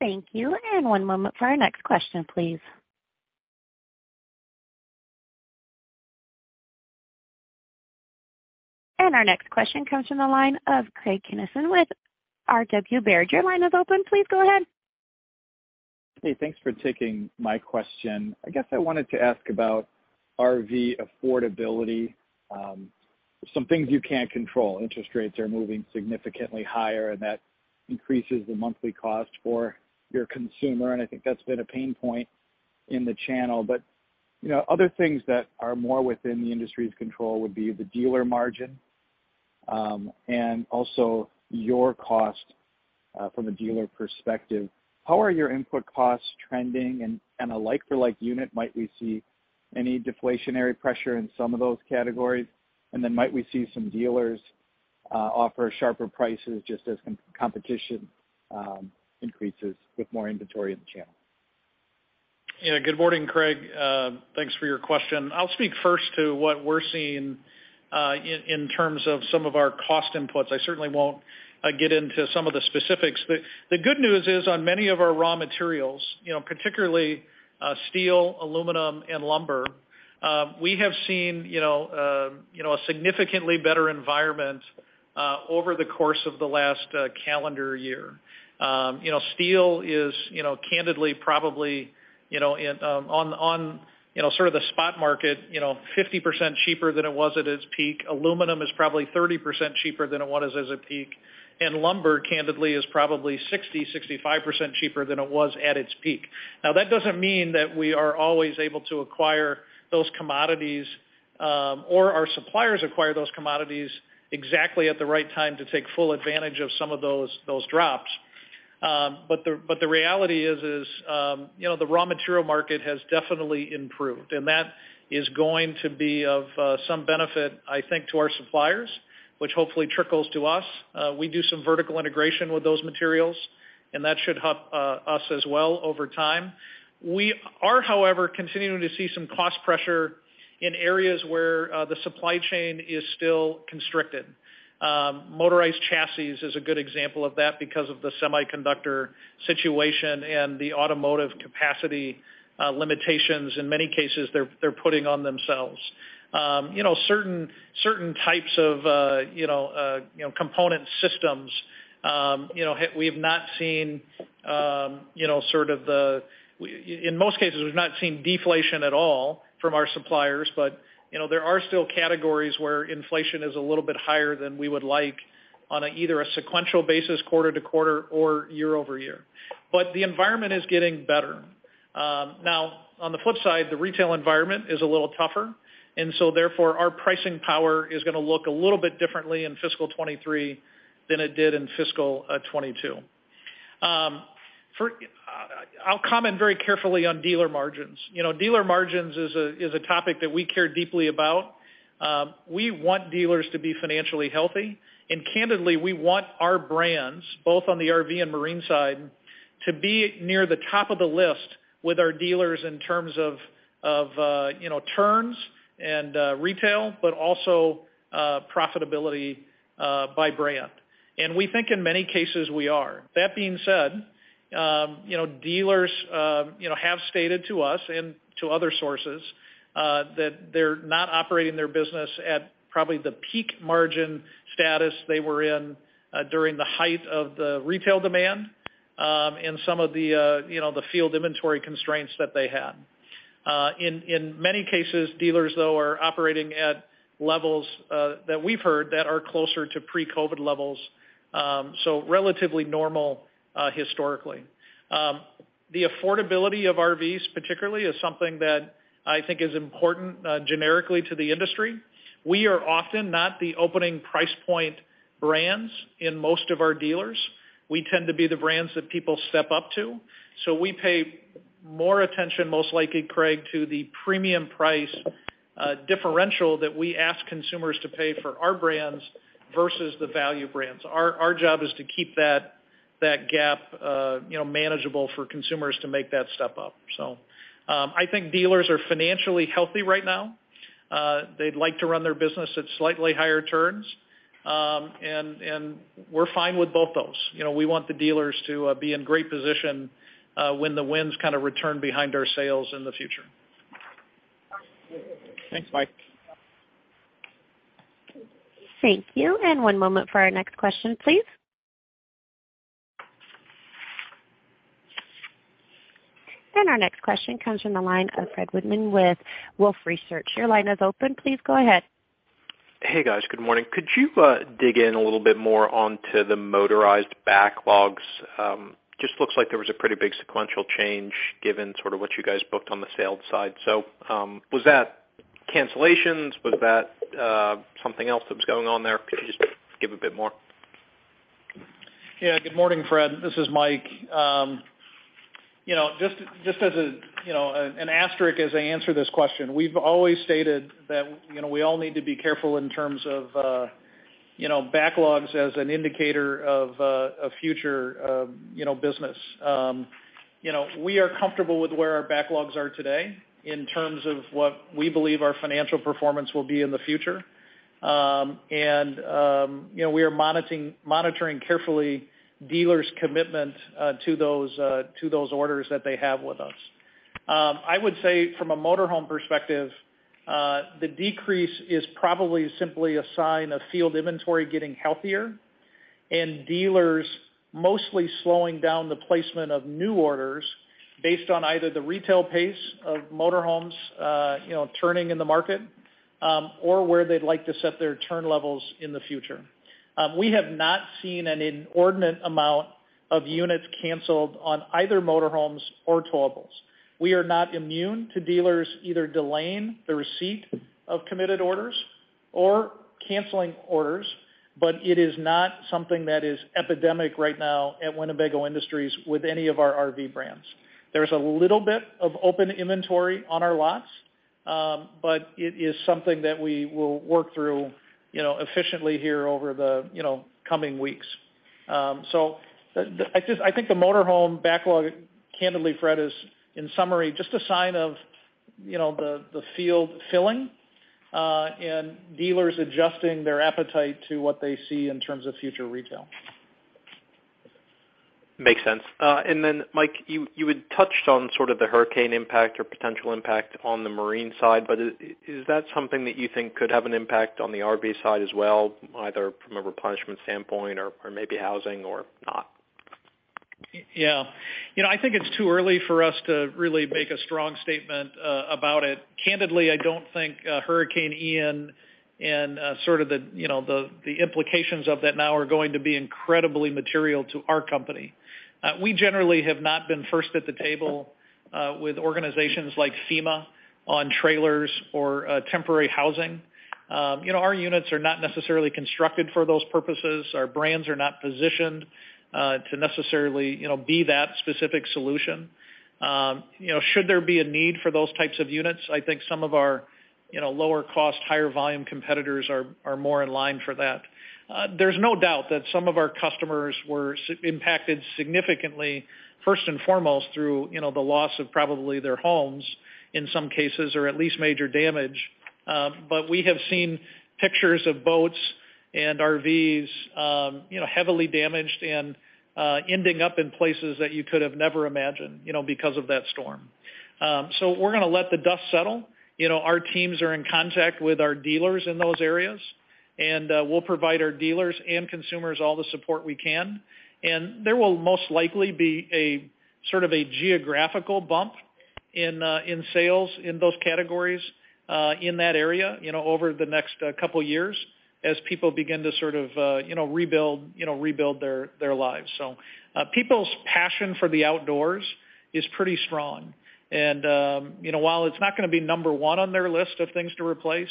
Thank you. One moment for our next question, please. Our next question comes from the line of Craig Kennison with R.W. Baird. Your line is open. Please go ahead. Hey, thanks for taking my question. I guess I wanted to ask about RV affordability. Some things you can't control. Interest rates are moving significantly higher, and that increases the monthly cost for your consumer, and I think that's been a pain point in the channel. You know, other things that are more within the industry's control would be the dealer margin, and also your cost from a dealer perspective. How are your input costs trending? And on a like-for-like unit, might we see any deflationary pressure in some of those categories? And then might we see some dealers offer sharper prices just as competition increases with more inventory in the channel? Yeah. Good morning, Craig. Thanks for your question. I'll speak first to what we're seeing in terms of some of our cost inputs. I certainly won't get into some of the specifics. The good news is on many of our raw materials, you know, particularly steel, aluminum, and lumber, we have seen, you know, a significantly better environment over the course of the last calendar year. You know, steel is, you know, candidly probably, you know, on the spot market, you know, 50% cheaper than it was at its peak. Aluminum is probably 30% cheaper than it was at its peak. Lumber, candidly, is probably 60-65% cheaper than it was at its peak. Now, that doesn't mean that we are always able to acquire those commodities, or our suppliers acquire those commodities exactly at the right time to take full advantage of some of those drops. But the reality is, you know, the raw material market has definitely improved, and that is going to be of some benefit, I think, to our suppliers, which hopefully trickles to us. We do some vertical integration with those materials, and that should help us as well over time. We are, however, continuing to see some cost pressure in areas where the supply chain is still constricted. Motorized chassis is a good example of that because of the semiconductor situation and the automotive capacity limitations in many cases they're putting on themselves. You know, certain types of component systems, you know, we have not seen. In most cases, we've not seen deflation at all from our suppliers. You know, there are still categories where inflation is a little bit higher than we would like on either a sequential basis quarter to quarter or year over year. The environment is getting better. Now on the flip side, the retail environment is a little tougher. Therefore, our pricing power is gonna look a little bit differently in fiscal 2023 than it did in fiscal 2022. I'll comment very carefully on dealer margins. You know, dealer margins is a topic that we care deeply about. We want dealers to be financially healthy. Candidly, we want our brands, both on the RV and marine side, to be near the top of the list with our dealers in terms of of you know turns and retail, but also profitability by brand. We think in many cases we are. That being said, you know, dealers you know have stated to us and to other sources that they're not operating their business at probably the peak margin status they were in during the height of the retail demand and some of the you know the field inventory constraints that they had. In many cases, dealers though are operating at levels that we've heard that are closer to pre-COVID levels, so relatively normal historically. The affordability of RVs particularly is something that I think is important, generically to the industry. We are often not the opening price point brands in most of our dealers. We tend to be the brands that people step up to. We pay more attention, most likely, Craig, to the premium price differential that we ask consumers to pay for our brands versus the value brands. Our job is to keep that gap, you know, manageable for consumers to make that step up. I think dealers are financially healthy right now. They'd like to run their business at slightly higher turns. And we're fine with both those. You know, we want the dealers to be in great position when the winds kind of return behind our sails in the future. Thanks, Mike. Thank you. One moment for our next question, please. Our next question comes from the line of Fred Wightman with Wolfe Research. Your line is open. Please go ahead. Hey, guys. Good morning. Could you dig in a little bit more on to the motorized backlogs? Just looks like there was a pretty big sequential change given sort of what you guys booked on the sales side. Was that cancellations? Was that something else that was going on there? Could you just give a bit more? Yeah. Good morning, Fred. This is Mike. You know, just as a, you know, an asterisk as I answer this question, we've always stated that, you know, we all need to be careful in terms of, you know, backlogs as an indicator of, a future, you know, business. You know, we are comfortable with where our backlogs are today in terms of what we believe our financial performance will be in the future. You know, we are monitoring carefully dealers' commitment to those orders that they have with us. I would say from a motor home perspective, the decrease is probably simply a sign of field inventory getting healthier and dealers mostly slowing down the placement of new orders based on either the retail pace of motor homes, you know, turning in the market, or where they'd like to set their turn levels in the future. We have not seen an inordinate amount of units canceled on either motor homes or towables. We are not immune to dealers either delaying the receipt of committed orders or canceling orders, but it is not something that is epidemic right now at Winnebago Industries with any of our RV brands. There's a little bit of open inventory on our lots, but it is something that we will work through, you know, efficiently here over the, you know, coming weeks. I think the motor home backlog, candidly, Fred, is, in summary, just a sign of, you know, the field filling, and dealers adjusting their appetite to what they see in terms of future retail. Makes sense. Mike, you had touched on sort of the hurricane impact or potential impact on the marine side, but is that something that you think could have an impact on the RV side as well, either from a replenishment standpoint or maybe housing or not? Yeah. You know, I think it's too early for us to really make a strong statement about it. Candidly, I don't think Hurricane Ian and sort of the implications of that now are going to be incredibly material to our company. We generally have not been first at the table with organizations like FEMA on trailers or temporary housing. You know, our units are not necessarily constructed for those purposes. Our brands are not positioned to necessarily, you know, be that specific solution. You know, should there be a need for those types of units, I think some of our, you know, lower cost, higher volume competitors are more in line for that. There's no doubt that some of our customers were impacted significantly, first and foremost, through, you know, the loss of probably their homes in some cases or at least major damage. We have seen pictures of boats and RVs, you know, heavily damaged and ending up in places that you could have never imagined, you know, because of that storm. We're gonna let the dust settle. You know, our teams are in contact with our dealers in those areas, and we'll provide our dealers and consumers all the support we can. There will most likely be a sort of a geographical bump in sales in those categories in that area, you know, over the next couple years as people begin to sort of, you know, rebuild their lives. People's passion for the outdoors is pretty strong. You know, while it's not gonna be number one on their list of things to replace,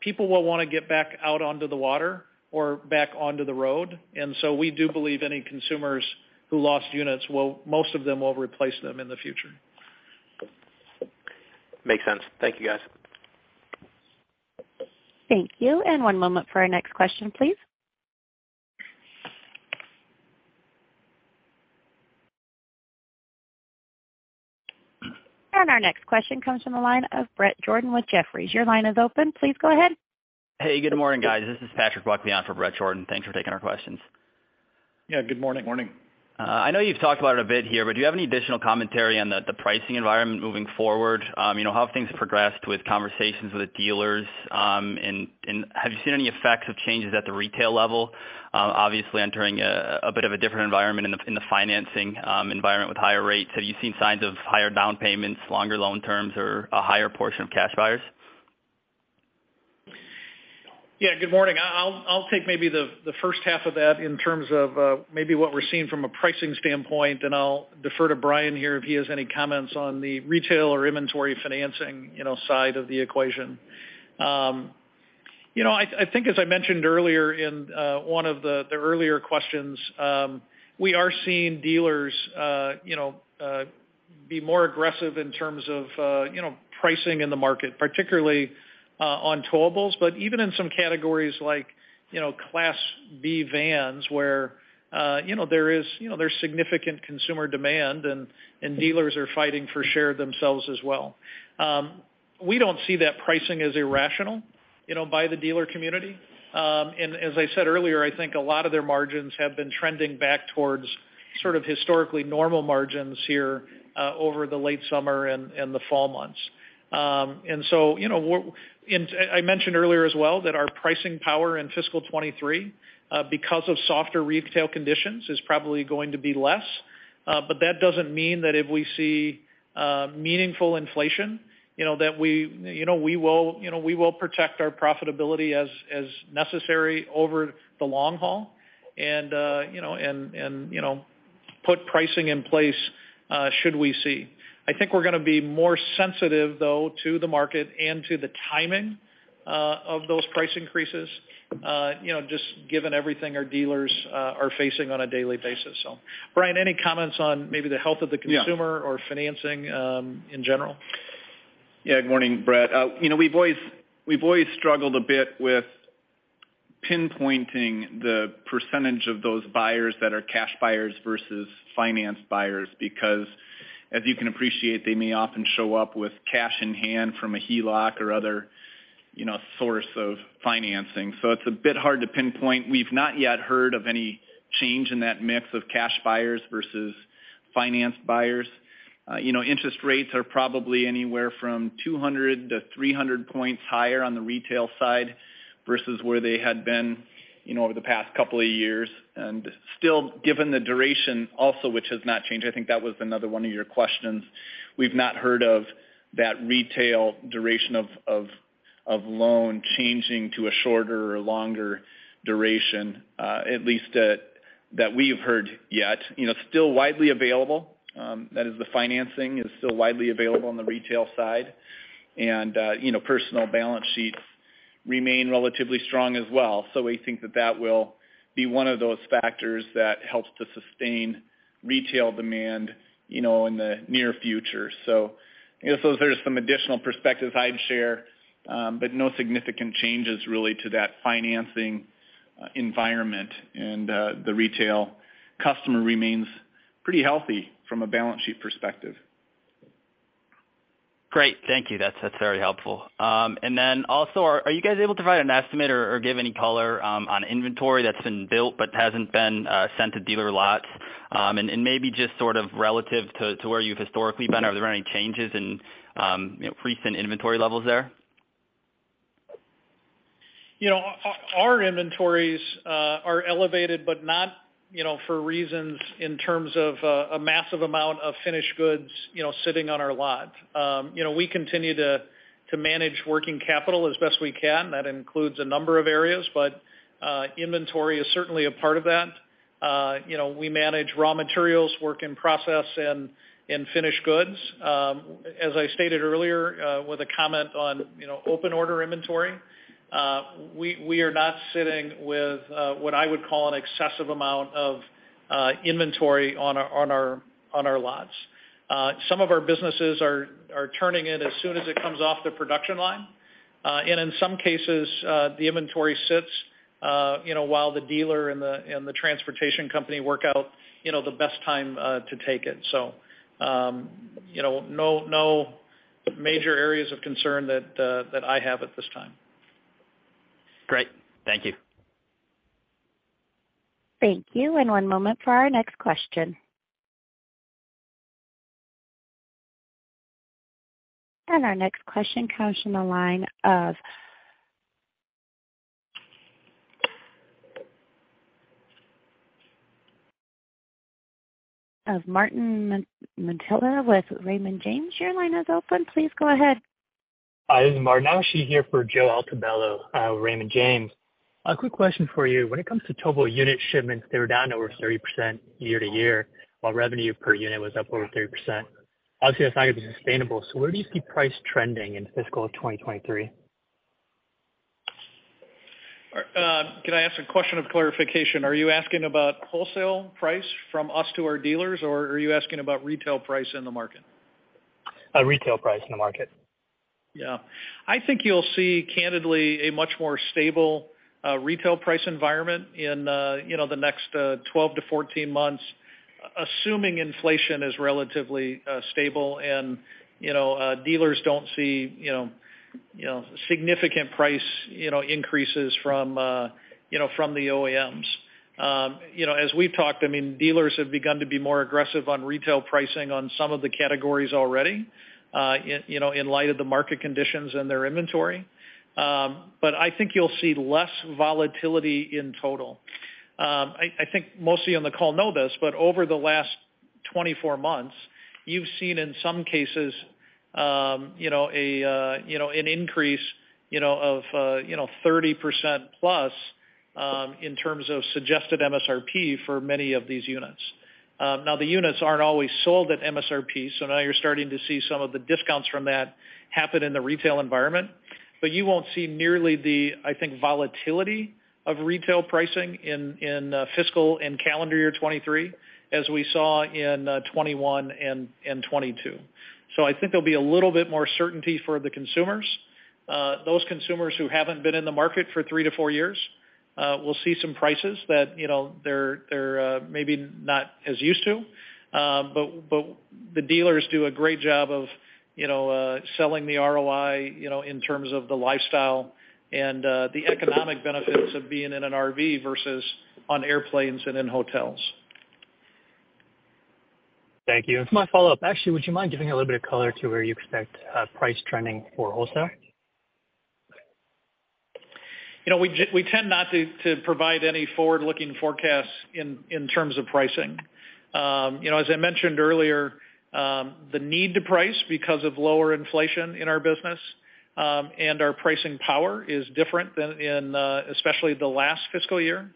people will wanna get back out onto the water or back onto the road. We do believe any consumers who lost units, most of them will replace them in the future. Makes sense. Thank you, guys. Thank you. One moment for our next question, please. Our next question comes from the line of Bret Jordan with Jefferies. Your line is open. Please go ahead. Hey, good morning, guys. This is Patrick Buckley for Bret Jordan. Thanks for taking our questions. Yeah. Good morning. Morning. I know you've talked about it a bit here, but do you have any additional commentary on the pricing environment moving forward? You know, how have things progressed with conversations with dealers, and have you seen any effects of changes at the retail level? Obviously entering a bit of a different environment in the financing environment with higher rates. Have you seen signs of higher down payments, longer loan terms or a higher portion of cash buyers? Yeah, good morning. I'll take maybe the first half of that in terms of maybe what we're seeing from a pricing standpoint, and I'll defer to Bryan here if he has any comments on the retail or inventory financing, you know, side of the equation. You know, I think as I mentioned earlier in one of the earlier questions, we are seeing dealers you know be more aggressive in terms of you know pricing in the market, particularly on towables, but even in some categories like you know Class B vans where you know there's significant consumer demand and dealers are fighting for share themselves as well. We don't see that pricing as irrational you know by the dealer community. As I said earlier, I think a lot of their margins have been trending back towards sort of historically normal margins here, over the late summer and the fall months. I mentioned earlier as well that our pricing power in fiscal 2023, because of softer retail conditions, is probably going to be less. That doesn't mean that if we see meaningful inflation, you know, that we, you know, we will protect our profitability as necessary over the long haul and, you know, put pricing in place, should we see. I think we're gonna be more sensitive, though, to the market and to the timing of those price increases, you know, just given everything our dealers are facing on a daily basis. Bryan, any comments on maybe the health of the consumer- Yeah. financing, in general? Yeah. Good morning, Brett. You know, we've always struggled a bit with pinpointing the percentage of those buyers that are cash buyers versus finance buyers, because as you can appreciate, they may often show up with cash in hand from a HELOC or other, you know, source of financing. So it's a bit hard to pinpoint. We've not yet heard of any change in that mix of cash buyers versus finance buyers. You know, interest rates are probably anywhere from 200-300 points higher on the retail side versus where they had been, you know, over the past couple of years. Still, given the duration also, which has not changed, I think that was another one of your questions. We've not heard of that retail duration. No loan changing to a shorter or longer duration, at least that we've heard yet. You know, it's still widely available, that is the financing is still widely available on the retail side. You know, personal balance sheets remain relatively strong as well. We think that that will be one of those factors that helps to sustain retail demand, you know, in the near future. You know, there's some additional perspectives I'd share, but no significant changes really to that financing environment. The retail customer remains pretty healthy from a balance sheet perspective. Great. Thank you. That's very helpful. Are you guys able to provide an estimate or give any color on inventory that's been built but hasn't been sent to dealer lots? Maybe just sort of relative to where you've historically been, are there any changes in you know, recent inventory levels there? You know, our inventories are elevated, but not, you know, for reasons in terms of a massive amount of finished goods, you know, sitting on our lot. You know, we continue to manage working capital as best we can. That includes a number of areas, but inventory is certainly a part of that. You know, we manage raw materials, work in-process and finished goods. As I stated earlier, with a comment on, you know, open order inventory, we are not sitting with what I would call an excessive amount of inventory on our lots. Some of our businesses are turning it as soon as it comes off the production line. In some cases, the inventory sits, you know, while the dealer and the transportation company work out, you know, the best time to take it. You know, no major areas of concern that I have at this time. Great. Thank you. Thank you. One moment for our next question. Our next question comes from the line of Martin Mitela with Raymond James. Your line is open. Please go ahead. Hi, this is Martin Mitela. I'm actually here for Joseph Altobello with Raymond James. A quick question for you. When it comes to towable unit shipments, they were down over 30% year-over-year, while revenue per unit was up over 30%. Obviously, that's not gonna be sustainable. Where do you see price trending in fiscal 2023? All right. Can I ask a question of clarification? Are you asking about wholesale price from us to our dealers, or are you asking about retail price in the market? Retail price in the market. Yeah. I think you'll see, candidly, a much more stable retail price environment in, you know, the next 12 months-14 months, assuming inflation is relatively stable and, you know, dealers don't see, you know, significant price increases from, you know, from the OEMs. You know, as we've talked, I mean, dealers have begun to be more aggressive on retail pricing on some of the categories already, in, you know, in light of the market conditions and their inventory. I think you'll see less volatility in total. I think most on the call know this, but over the last 24 months, you've seen in some cases, you know, an increase, you know, of 30%+ in terms of suggested MSRP for many of these units. Now, the units aren't always sold at MSRP, so now you're starting to see some of the discounts from that happen in the retail environment. You won't see nearly the, I think, volatility of retail pricing in fiscal and calendar year 2023 as we saw in 2021 and 2022. I think there'll be a little bit more certainty for the consumers. Those consumers who haven't been in the market for three to four years will see some prices that, you know, they're maybe not as used to. The dealers do a great job of, you know, selling the ROI, you know, in terms of the lifestyle and the economic benefits of being in an RV versus on airplanes and in hotels. Thank you. For my follow-up, actually, would you mind giving a little bit of color to where you expect price trending for wholesale? You know, we tend not to provide any forward-looking forecasts in terms of pricing. You know, as I mentioned earlier, the need to price because of lower inflation in our business, and our pricing power is different than in especially the last fiscal year.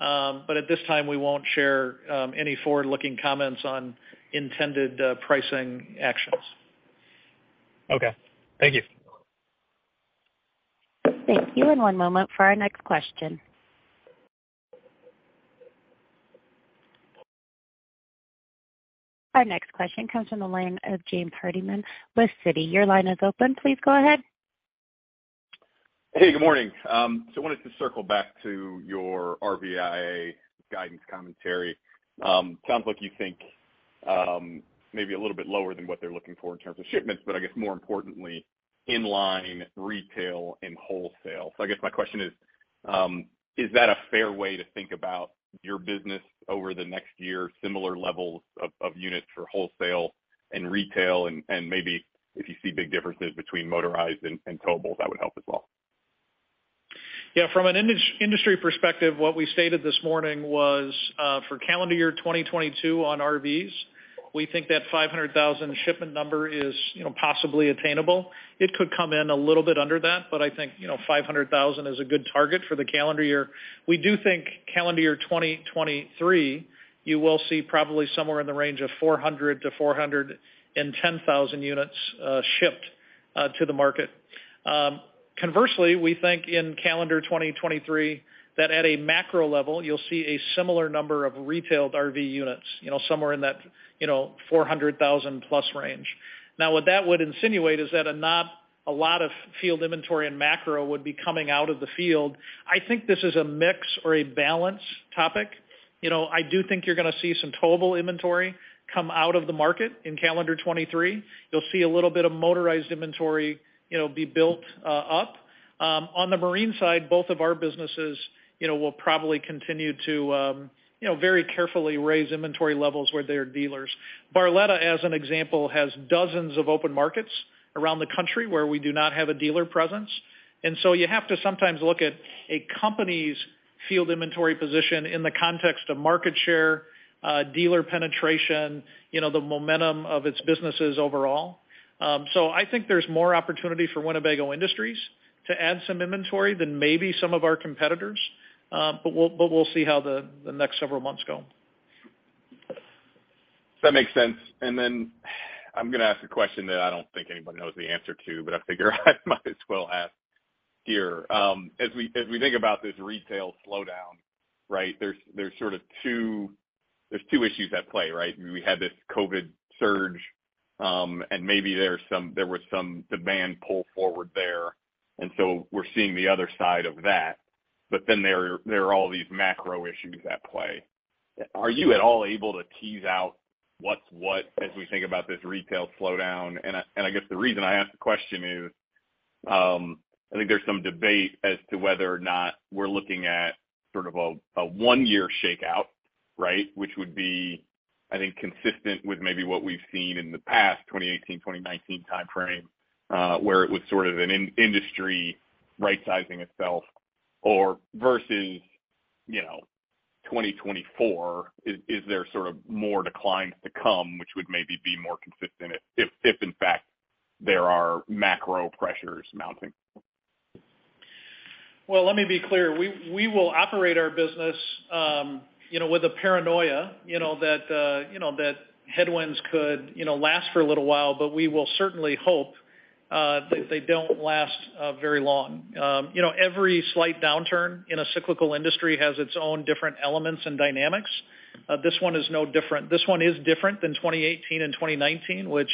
At this time, we won't share any forward-looking comments on intended pricing actions. Okay. Thank you. Thank you. One moment for our next question. Our next question comes from the line of James Hardiman with Citi. Your line is open. Please go ahead. Hey, good morning. Wanted to circle back to your RVIA guidance commentary. Sounds like you think, maybe a little bit lower than what they're looking for in terms of shipments, but I guess more importantly, in-line retail and wholesale. I guess my question is that a fair way to think about your business over the next year, similar levels of units for wholesale and retail? Maybe if you see big differences between motorized and towables, that would help as well. Yeah, from an industry perspective, what we stated this morning was, for calendar year 2022 on RVs, we think that 500,000 shipment number is, you know, possibly attainable. It could come in a little bit under that, but I think, you know, 500,000 is a good target for the calendar year. We do think calendar year 2023, you will see probably somewhere in the range of 400,000-410,000 units shipped to the market. Conversely, we think in calendar 2023 that at a macro level, you'll see a similar number of retailed RV units, you know, somewhere in that, you know, 400,000 plus range. Now, what that would insinuate is that not a lot of field inventory and macro would be coming out of the field. I think this is a mix or a balance topic. You know, I do think you're gonna see some towable inventory come out of the market in calendar 2023. You'll see a little bit of motorized inventory, you know, be built up. On the marine side, both of our businesses, you know, will probably continue to, you know, very carefully raise inventory levels with their dealers. Barletta, as an example, has dozens of open markets around the country where we do not have a dealer presence. You have to sometimes look at a company's field inventory position in the context of market share, dealer penetration, you know, the momentum of its businesses overall. I think there's more opportunity for Winnebago Industries to add some inventory than maybe some of our competitors. We'll see how the next several months go. That makes sense. Then two I'm gonna ask a question that I don't think anybody knows the answer to, but I figure I might as well ask here. As we think about this retail slowdown, right, there's sort of two issues at play, right? We had this COVID surge, and maybe there was some demand pull forward there. We're seeing the other side of that. There are all these macro issues at play. Are you at all able to tease out what's what as we think about this retail slowdown? I guess the reason I ask the question is, I think there's some debate as to whether or not we're looking at sort of a one-year shakeout, right? Which would be, I think, consistent with maybe what we've seen in the past 2018, 2019 timeframe, where it was sort of an industry rightsizing itself or versus, you know, 2024. Is there sort of more declines to come which would maybe be more consistent if in fact there are macro pressures mounting? Well, let me be clear. We will operate our business, you know, with a paranoia, you know, that headwinds could, you know, last for a little while, but we will certainly hope that they don't last very long. You know, every slight downturn in a cyclical industry has its own different elements and dynamics. This one is no different. This one is different than 2018 and 2019, which,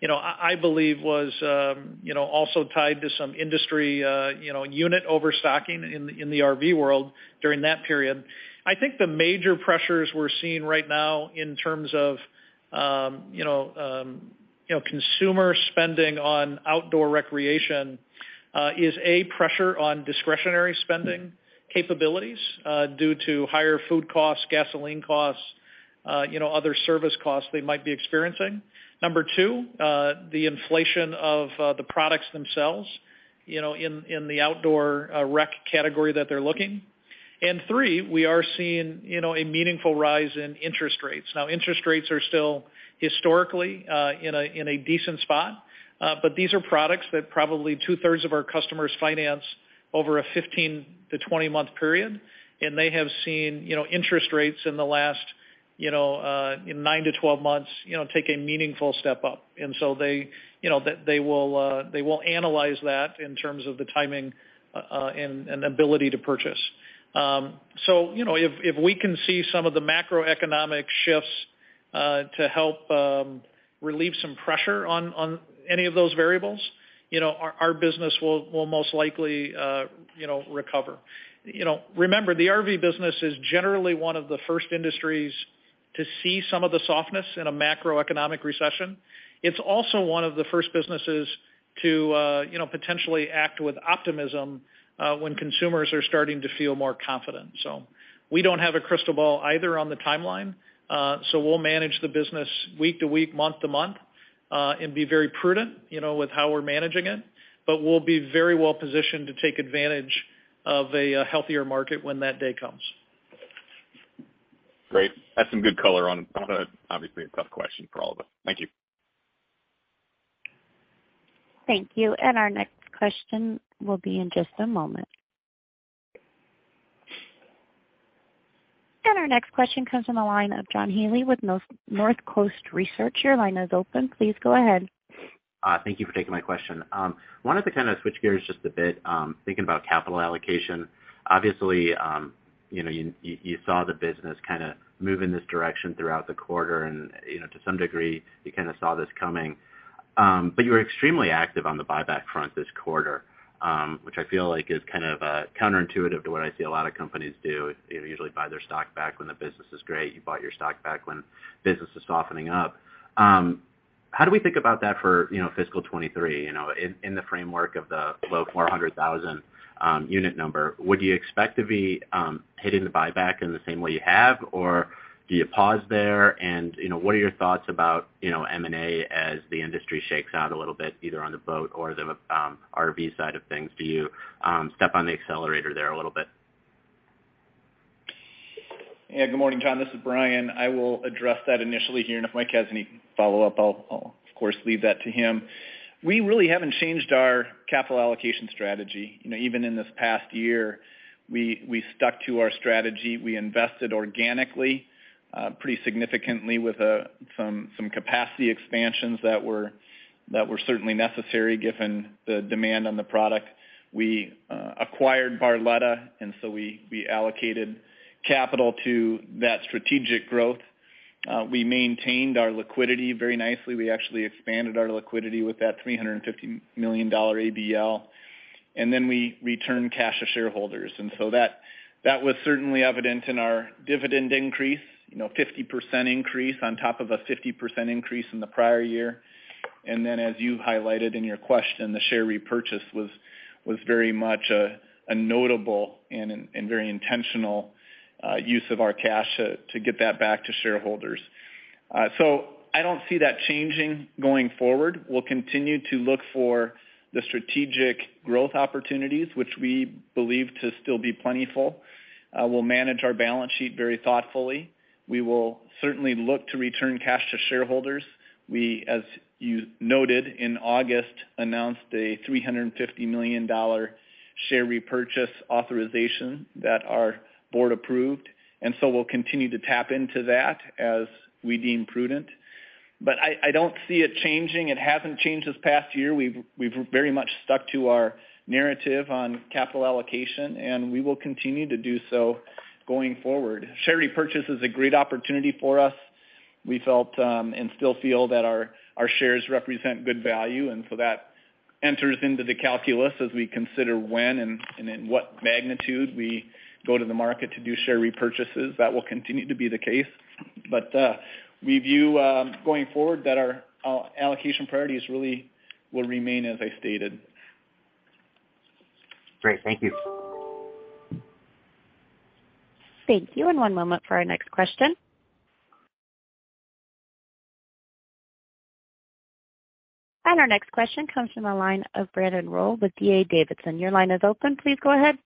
you know, I believe was also tied to some industry unit overstocking in the RV world during that period. I think the major pressures we're seeing right now in terms of you know consumer spending on outdoor recreation is a pressure on discretionary spending capabilities due to higher food costs, gasoline costs you know other service costs they might be experiencing. Number two the inflation of the products themselves you know in the outdoor rec category that they're looking. Three, we are seeing you know a meaningful rise in interest rates. Now, interest rates are still historically in a decent spot but these are products that probably 2/3 of our customers finance over a 15 months-20-month period. They have seen you know interest rates in the last you know 9 month-12 months you know take a meaningful step up. They, you know, will analyze that in terms of the timing and ability to purchase. You know, if we can see some of the macroeconomic shifts to help relieve some pressure on any of those variables, you know, our business will most likely, you know, recover. You know, remember, the RV business is generally one of the first industries to see some of the softness in a macroeconomic recession. It's also one of the first businesses to, you know, potentially act with optimism when consumers are starting to feel more confident. We don't have a crystal ball either on the timeline. We'll manage the business week to week, month to month and be very prudent, you know, with how we're managing it. We'll be very well positioned to take advantage of a healthier market when that day comes. Great. That's some good color on a obviously a tough question for all of us. Thank you. Thank you. Our next question will be in just a moment. Our next question comes from the line of John Healy with Northcoast Research. Your line is open. Please go ahead. Thank you for taking my question. Wanted to kind of switch gears just a bit, thinking about capital allocation. Obviously, you know, you saw the business kinda move in this direction throughout the quarter and, you know, to some degree, you kinda saw this coming. But you were extremely active on the buyback front this quarter, which I feel like is kind of counterintuitive to what I see a lot of companies do. They usually buy their stock back when the business is great. You bought your stock back when business is softening up. How do we think about that for, you know, fiscal 2023, you know, in the framework of the below 400,000 unit number? Would you expect to be hitting the buyback in the same way you have, or do you pause there? You know, what are your thoughts about, you know, M&A as the industry shakes out a little bit, either on the boat or the RV side of things? Do you step on the accelerator there a little bit? Yeah. Good morning, John. This is Bryan. I will address that initially here, and if Mike has any follow-up, I'll of course leave that to him. We really haven't changed our capital allocation strategy. You know, even in this past year, we stuck to our strategy. We invested organically pretty significantly with some capacity expansions that were certainly necessary given the demand on the product. We acquired Barletta, and so we allocated capital to that strategic growth. We maintained our liquidity very nicely. We actually expanded our liquidity with that $350 million ABL. We returned cash to shareholders. That was certainly evident in our dividend increase, you know, 50% increase on top of a 50% increase in the prior year. As you highlighted in your question, the share repurchase was very much a notable and very intentional use of our cash to get that back to shareholders. I don't see that changing going forward. We'll continue to look for the strategic growth opportunities, which we believe to still be plentiful. We'll manage our balance sheet very thoughtfully. We will certainly look to return cash to shareholders. We, as you noted, in August, announced a $350 million share repurchase authorization that our board approved, and we'll continue to tap into that as we deem prudent. I don't see it changing. It hasn't changed this past year. We've very much stuck to our narrative on capital allocation, and we will continue to do so going forward. Share repurchase is a great opportunity for us. We felt, and still feel that our shares represent good value, and so that enters into the calculus as we consider when and in what magnitude we go to the market to do share repurchases. That will continue to be the case. We view going forward that our allocation priorities really will remain, as I stated. Great. Thank you. Thank you. One moment for our next question. Our next question comes from the line of Brandon Rolle with D.A. Davidson. Your line is open. Please go ahead.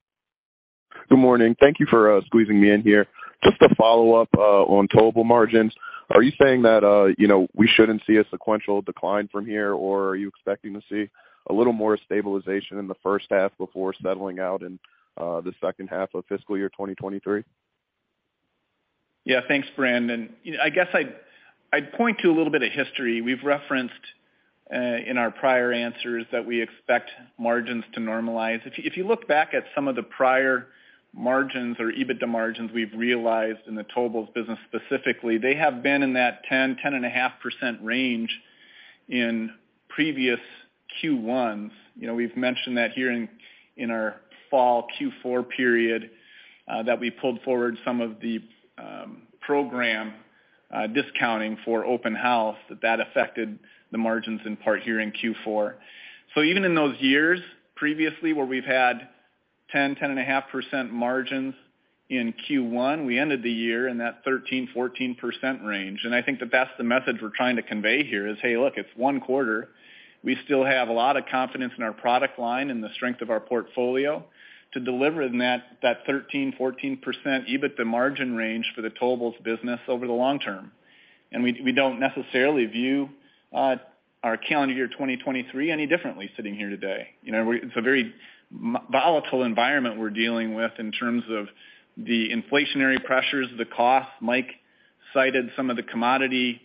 Good morning. Thank you for squeezing me in here. Just a follow-up on Towable margins. Are you saying that, you know, we shouldn't see a sequential decline from here, or are you expecting to see a little more stabilization in the first half before settling out in the second half of fiscal year 2023? Yeah. Thanks, Brandon. You know, I guess I'd point to a little bit of history. We've referenced in our prior answers that we expect margins to normalize. If you look back at some of the prior margins or EBITDA margins we've realized in the Towables business specifically, they have been in that 10-10.5% range in previous Q1s. You know, we've mentioned that here in our fall Q4 period that we pulled forward some of the program discounting for Open House, that affected the margins in part here in Q4. Even in those years previously, where we've had 10-10.5% margins in Q1, we ended the year in that 13%-14% range. I think that's the message we're trying to convey here is, hey, look, it's one quarter. We still have a lot of confidence in our product line and the strength of our portfolio to deliver in that 13%-14% EBITDA margin range for the Towables business over the long term. We don't necessarily view our calendar year 2023 any differently sitting here today. You know, it's a very volatile environment we're dealing with in terms of the inflationary pressures, the costs. Mike cited some of the commodity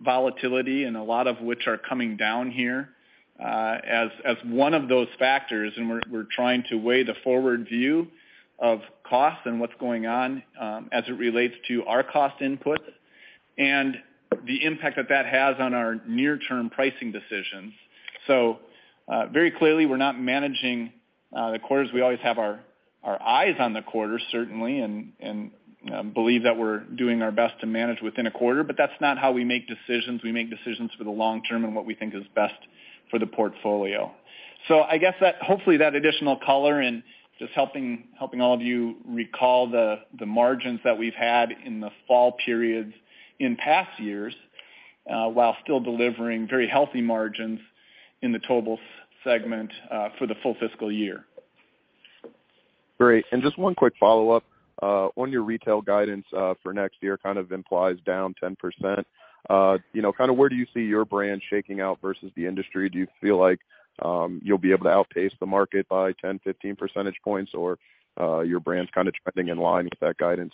volatility and a lot of which are coming down here as one of those factors, and we're trying to weigh the forward view of costs and what's going on as it relates to our cost inputs and the impact that that has on our near-term pricing decisions. Very clearly, we're not managing the quarters. We always have our eyes on the quarter, certainly, and believe that we're doing our best to manage within a quarter, but that's not how we make decisions. We make decisions for the long term and what we think is best for the portfolio. I guess that hopefully that additional color and just helping all of you recall the margins that we've had in the fall periods in past years, while still delivering very healthy margins in the Towables segment, for the full fiscal year. Great. Just one quick follow-up on your retail guidance for next year, kind of implies down 10%. You know, kind of where do you see your brand shaking out versus the industry? Do you feel like you'll be able to outpace the market by 10 percentagr ponus, 15 percentage points, or your brand's kind of trending in line with that guidance?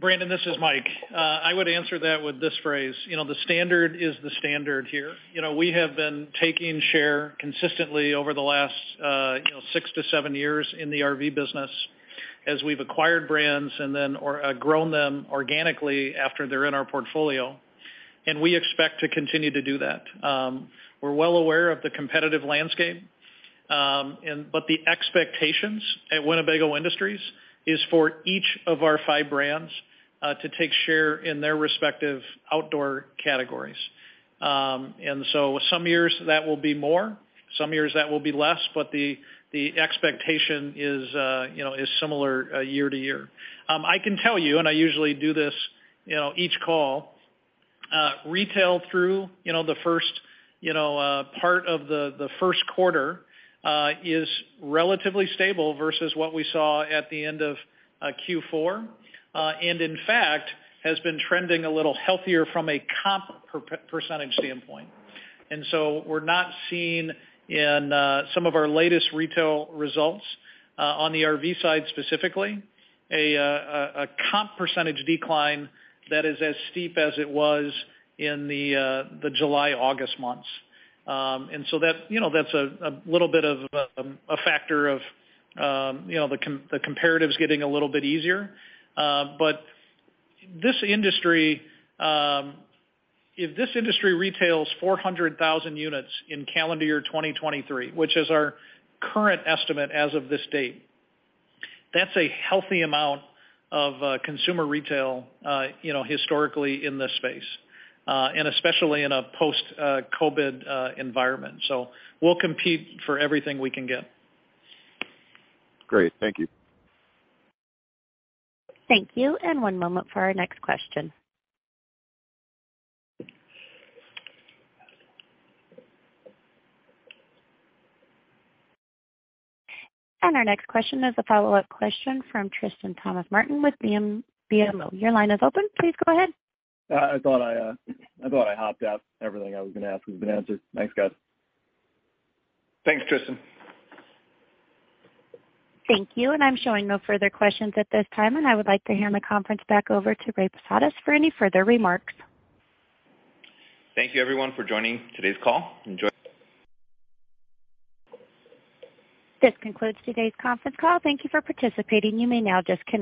Brandon, this is Mike. I would answer that with this phrase. You know, the standard is the standard here. You know, we have been taking share consistently over the last, you know, 6-7 years in the RV business as we've acquired brands and then, or grown them organically after they're in our portfolio, and we expect to continue to do that. We're well aware of the competitive landscape, and but the expectations at Winnebago Industries is for each of our 5 brands, to take share in their respective outdoor categories. Some years that will be more, some years that will be less, but the expectation is, you know, is similar, year to year. I can tell you, and I usually do this, you know, each call. Retail through, you know, the first part of the first quarter is relatively stable versus what we saw at the end of Q4, and in fact, has been trending a little healthier from a comp percentage standpoint. We're not seeing in some of our latest retail results, on the RV side, specifically, a comp percentage decline that is as steep as it was in the July-August months. That's a little bit of a factor of, you know, the comparatives getting a little bit easier. This industry, if this industry retails 400,000 units in calendar year 2023, which is our current estimate as of this date, that's a healthy amount of consumer retail, you know, historically in this space, and especially in a post-COVID environment. We'll compete for everything we can get. Great. Thank you. Thank you, and one moment for our next question. Our next question is a follow-up question from Tristan Thomas-Martin with BMO. Your line is open. Please go ahead. I thought I hopped out. Everything I was gonna ask has been answered. Thanks, guys. Thanks, Tristan. Thank you. I'm showing no further questions at this time, and I would like to hand the conference back over to Ray Posadas for any further remarks. Thank you, everyone, for joining today's call. This concludes today's conference call. Thank you for participating. You may now disconnect.